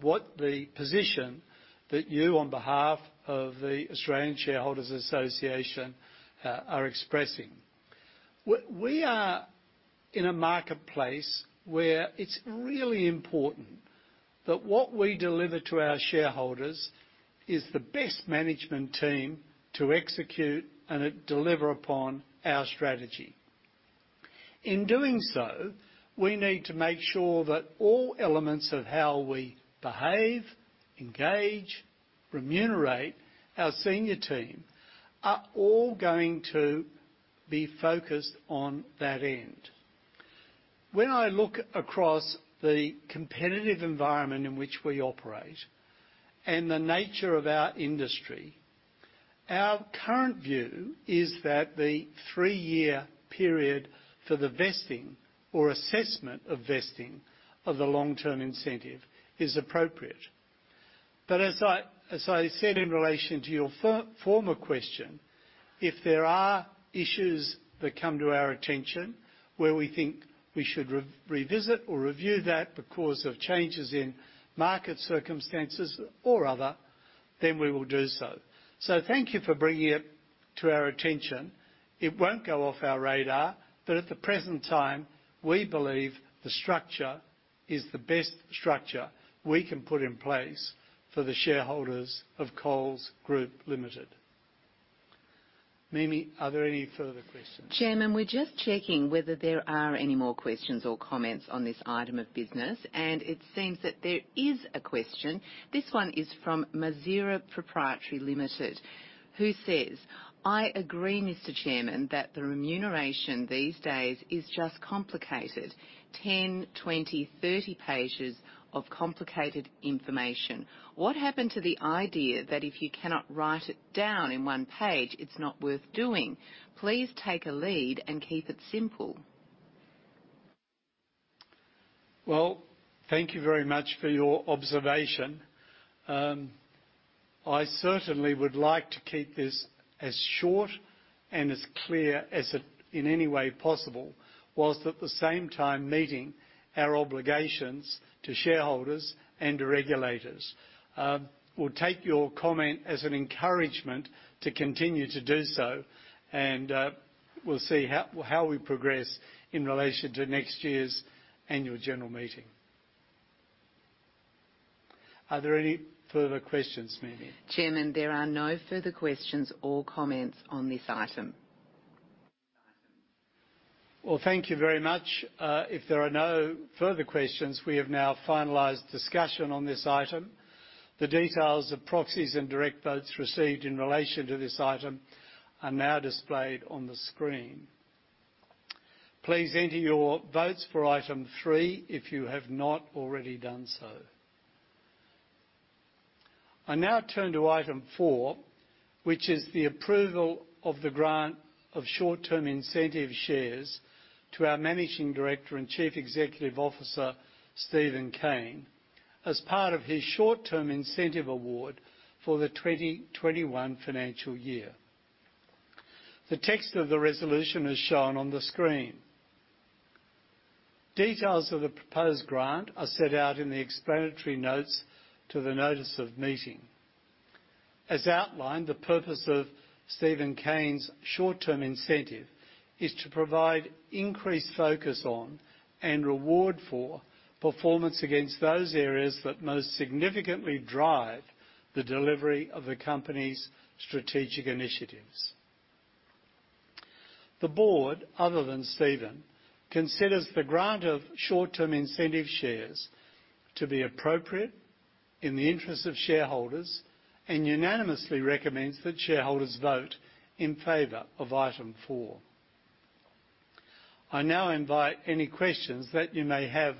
what the position that you on behalf of the Australian Shareholders' Association are expressing. We are in a marketplace where it's really important that what we deliver to our shareholders is the best management team to execute and deliver upon our strategy. In doing so, we need to make sure that all elements of how we behave, engage, remunerate our senior team are all going to be focused on that end. When I look across the competitive environment in which we operate and the nature of our industry, our current view is that the three-year period for the vesting or assessment of vesting of the long-term incentive is appropriate. But as I said in relation to your former question, if there are issues that come to our attention where we think we should revisit or review that because of changes in market circumstances or other, then we will do so. So thank you for bringing it to our attention. It won't go off our radar, but at the present time, we believe the structure is the best structure we can put in place for the shareholders of Coles Group Limited. Mimi, are there any further questions? Chairman, we're just checking whether there are any more questions or comments on this item of business. And it seems that there is a question. This one is from Mazira Pty Ltd, who says, "I agree, Mr. Chairman, that the remuneration these days is just complicated. 10, 20, 30 pages of complicated information. What happened to the idea that if you cannot write it down in one page, it's not worth doing? Please take a lead and keep it simple." Well, thank you very much for your observation. I certainly would like to keep this as short and as clear as in any way possible while at the same time meeting our obligations to shareholders and to regulators. We'll take your comment as an encouragement to continue to do so, and we'll see how we progress in relation to next year's annual general meeting. Are there any further questions, Mimi? Chairman, there are no further questions or comments on this item. Well, thank you very much. If there are no further questions, we have now finalized discussion on this item. The details of proxies and direct votes received in relation to this item are now displayed on the screen. Please enter your votes for item three if you have not already done so. I now turn to item four, which is the approval of the grant of short-term incentive shares to our Managing Director and Chief Executive Officer, Steven Cain, as part of his short-term incentive award for the 2021 financial year. The text of the resolution is shown on the screen. Details of the proposed grant are set out in the explanatory notes to the notice of meeting. As outlined, the purpose of Steven Cain's short-term incentive is to provide increased focus on and reward for performance against those areas that most significantly drive the delivery of the company's strategic initiatives. The board, other than Steven, considers the grant of short-term incentive shares to be appropriate in the interest of shareholders and unanimously recommends that shareholders vote in favor of item four. I now invite any questions that you may have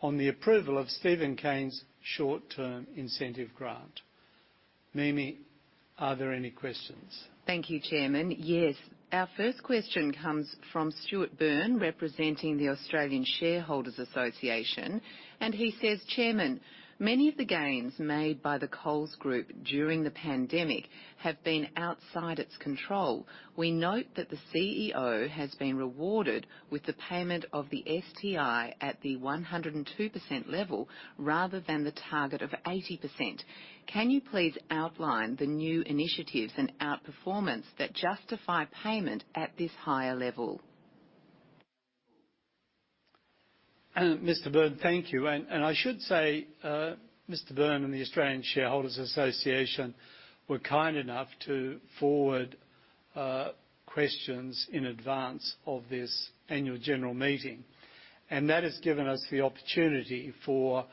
on the approval of Steven Cain's short-term incentive grant. Mimi, are there any questions? Thank you, Chairman. Yes, our first question comes from Stuart Byrne, representing the Australian Shareholders' Association. And he says, "Chairman, many of the gains made by the Coles Group during the pandemic have been outside its control. We note that the CEO has been rewarded with the payment of the STI at the 102% level rather than the target of 80%. Can you please outline the new initiatives and outperformance that justify payment at this higher level?" Mr. Byrne, thank you. And I should say Mr. Byrne and the Australian Shareholders' Association were kind enough to forward questions in advance of this annual general meeting. And that has given us the opportunity for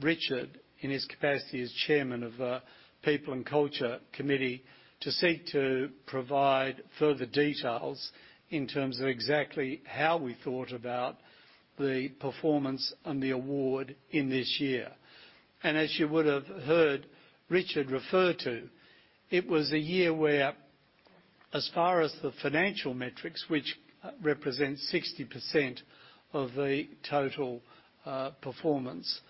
Richard, in his capacity as Chairman of the People and Culture Committee, to seek to provide further details in terms of exactly how we thought about the performance and the award in this year. And as you would have heard Richard refer to, it was a year where, as far as the financial metrics, which represent 60% of the total performance,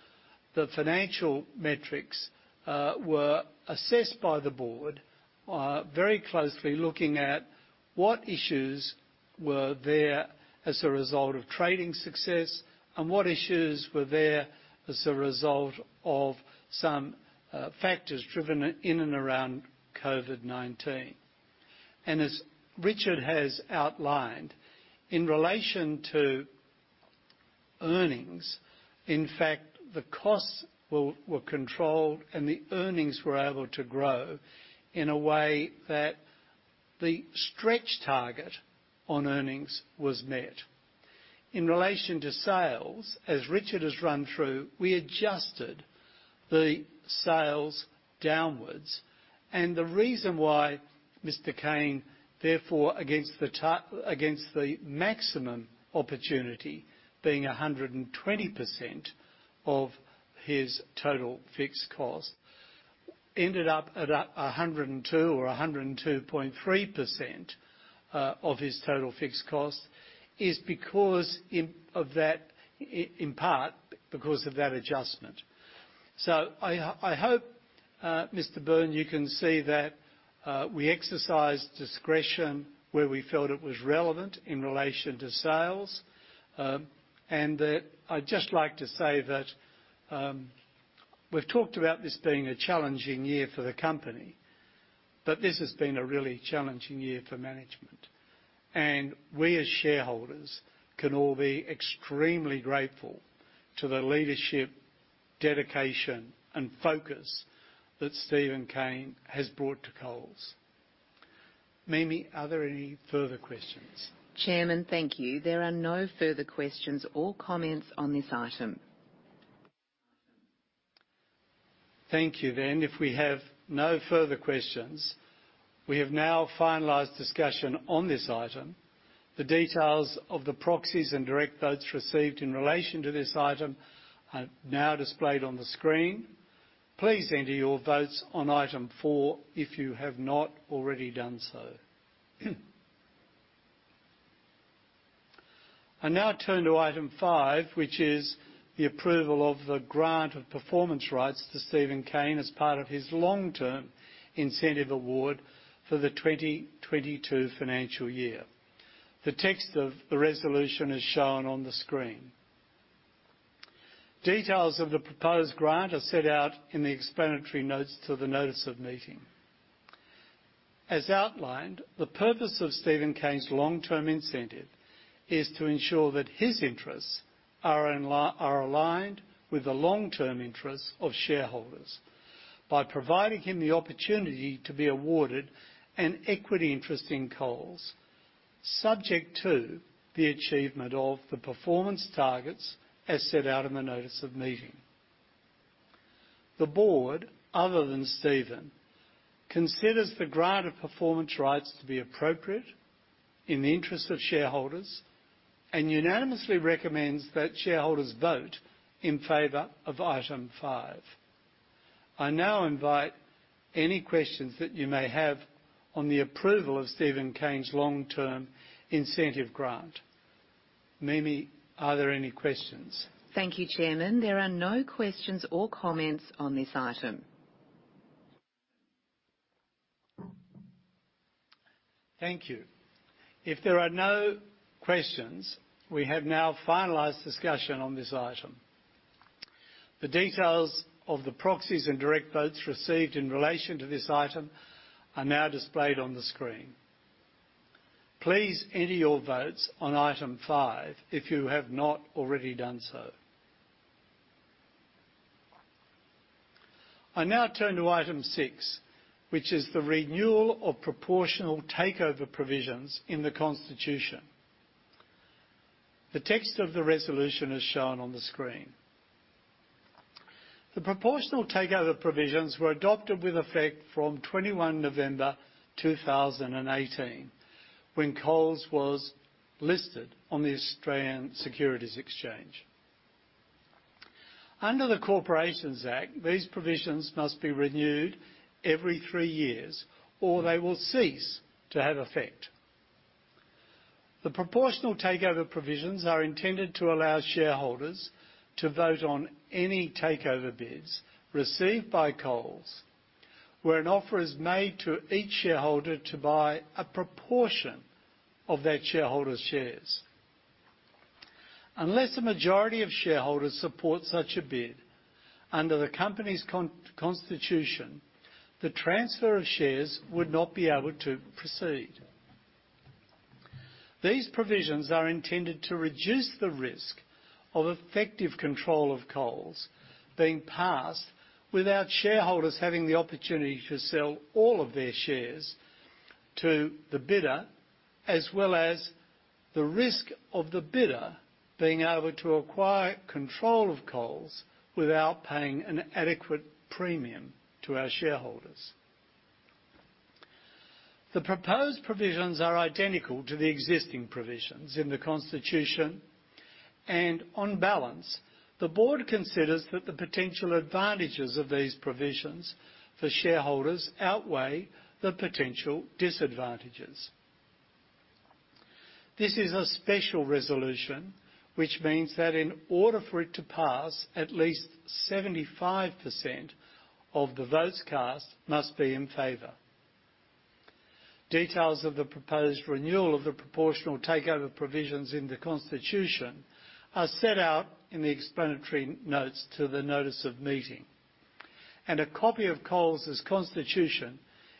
the financial metrics were assessed by the Board very closely, looking at what issues were there as a result of trading success and what issues were there as a result of some factors driven in and around COVID-19. And as Richard has outlined, in relation to earnings, in fact, the costs were controlled and the earnings were able to grow in a way that the stretch target on earnings was met. In relation to sales, as Richard has run through, we adjusted the sales downwards. And the reason why, Mr. Cain, therefore, against the maximum opportunity being 120% of his total fixed cost, ended up at 102 or 102.3% of his total fixed cost is because of that, in part, because of that adjustment. So I hope, Mr. Byrne, you can see that we exercised discretion where we felt it was relevant in relation to sales. And I'd just like to say that we've talked about this being a challenging year for the company, but this has been a really challenging year for management. And we as shareholders can all be extremely grateful to the leadership, dedication, and focus that Steven Cain has brought to Coles. Mimi, are there any further questions? Chairman, thank you. There are no further questions or comments on this item. Thank you then. If we have no further questions, we have now finalized discussion on this item. The details of the proxies and direct votes received in relation to this item are now displayed on the screen. Please enter your votes on item four if you have not already done so. I now turn to item five, which is the approval of the grant of performance rights to Steven Cain as part of his long-term incentive award for the 2022 financial year. The text of the resolution is shown on the screen. Details of the proposed grant are set out in the explanatory notes to the notice of meeting. As outlined, the purpose of Steven Cain's long-term incentive is to ensure that his interests are aligned with the long-term interests of shareholders by providing him the opportunity to be awarded an equity interest in Coles, subject to the achievement of the performance targets as set out in the notice of meeting. The board, other than Steven, considers the grant of performance rights to be appropriate in the interest of shareholders and unanimously recommends that shareholders vote in favor of item five. I now invite any questions that you may have on the approval of Steven Cain's long-term incentive grant. Mimi, are there any questions? Thank you, Chairman. There are no questions or comments on this item. Thank you. If there are no questions, we have now finalized discussion on this item. The details of the proxies and direct votes received in relation to this item are now displayed on the screen. Please enter your votes on item five if you have not already done so. I now turn to item six, which is the renewal of proportional takeover provisions in the Constitution. The text of the resolution is shown on the screen. The proportional takeover provisions were adopted with effect from 21 November 2018 when Coles was listed on the Australian Securities Exchange. Under the Corporations Act, these provisions must be renewed every three years or they will cease to have effect. The proportional takeover provisions are intended to allow shareholders to vote on any takeover bids received by Coles where an offer is made to each shareholder to buy a proportion of that shareholder's shares. Unless a majority of shareholders support such a bid under the company's constitution, the transfer of shares would not be able to proceed. These provisions are intended to reduce the risk of effective control of Coles being passed without shareholders having the opportunity to sell all of their shares to the bidder, as well as the risk of the bidder being able to acquire control of Coles without paying an adequate premium to our shareholders. The proposed provisions are identical to the existing provisions in the Constitution. And on balance, the board considers that the potential advantages of these provisions for shareholders outweigh the potential disadvantages. This is a special resolution, which means that in order for it to pass, at least 75% of the votes cast must be in favour. Details of the proposed renewal of the proportional takeover provisions in the Constitution are set out in the explanatory notes to the notice of meeting, and a copy of Coles's Constitution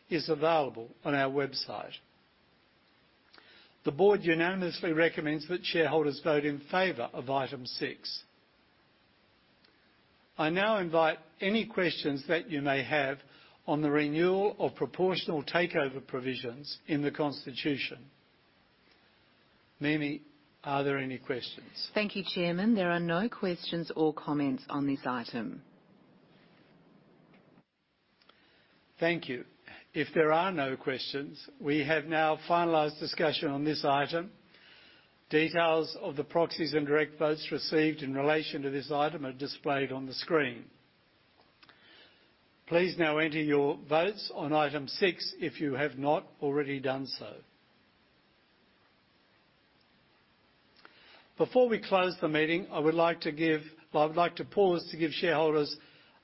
is available on our website. The board unanimously recommends that shareholders vote in favor of item six. I now invite any questions that you may have on the renewal of proportional takeover provisions in the Constitution. Mimi, are there any questions? Thank you, Chairman. There are no questions or comments on this item. Thank you. If there are no questions, we have now finalized discussion on this item. Details of the proxies and direct votes received in relation to this item are displayed on the screen. Please now enter your votes on item six if you have not already done so. Before we close the meeting, I would like to pause to give shareholders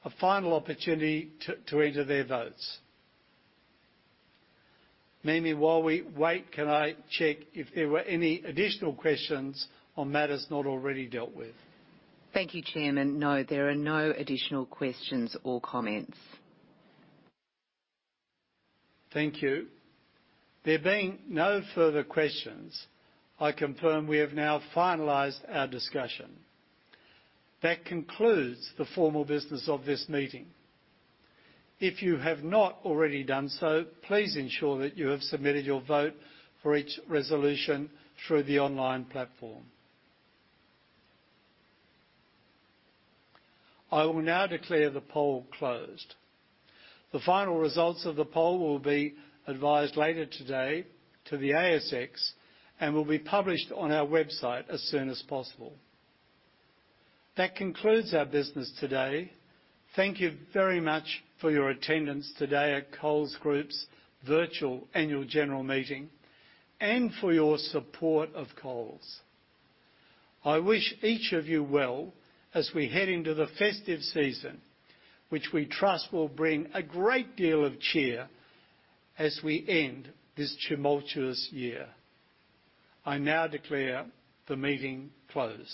a final opportunity to enter their votes. Mimi, while we wait, can I check if there were any additional questions on matters not already dealt with? Thank you, Chairman. No, there are no additional questions or comments. Thank you. There being no further questions, I confirm we have now finalized our discussion. That concludes the formal business of this meeting. If you have not already done so, please ensure that you have submitted your vote for each resolution through the online platform. I will now declare the poll closed. The final results of the poll will be advised later today to the ASX and will be published on our website as soon as possible. That concludes our business today. Thank you very much for your attendance today at Coles Group's virtual annual general meeting and for your support of Coles. I wish each of you well as we head into the festive season, which we trust will bring a great deal of cheer as we end this tumultuous year. I now declare the meeting closed.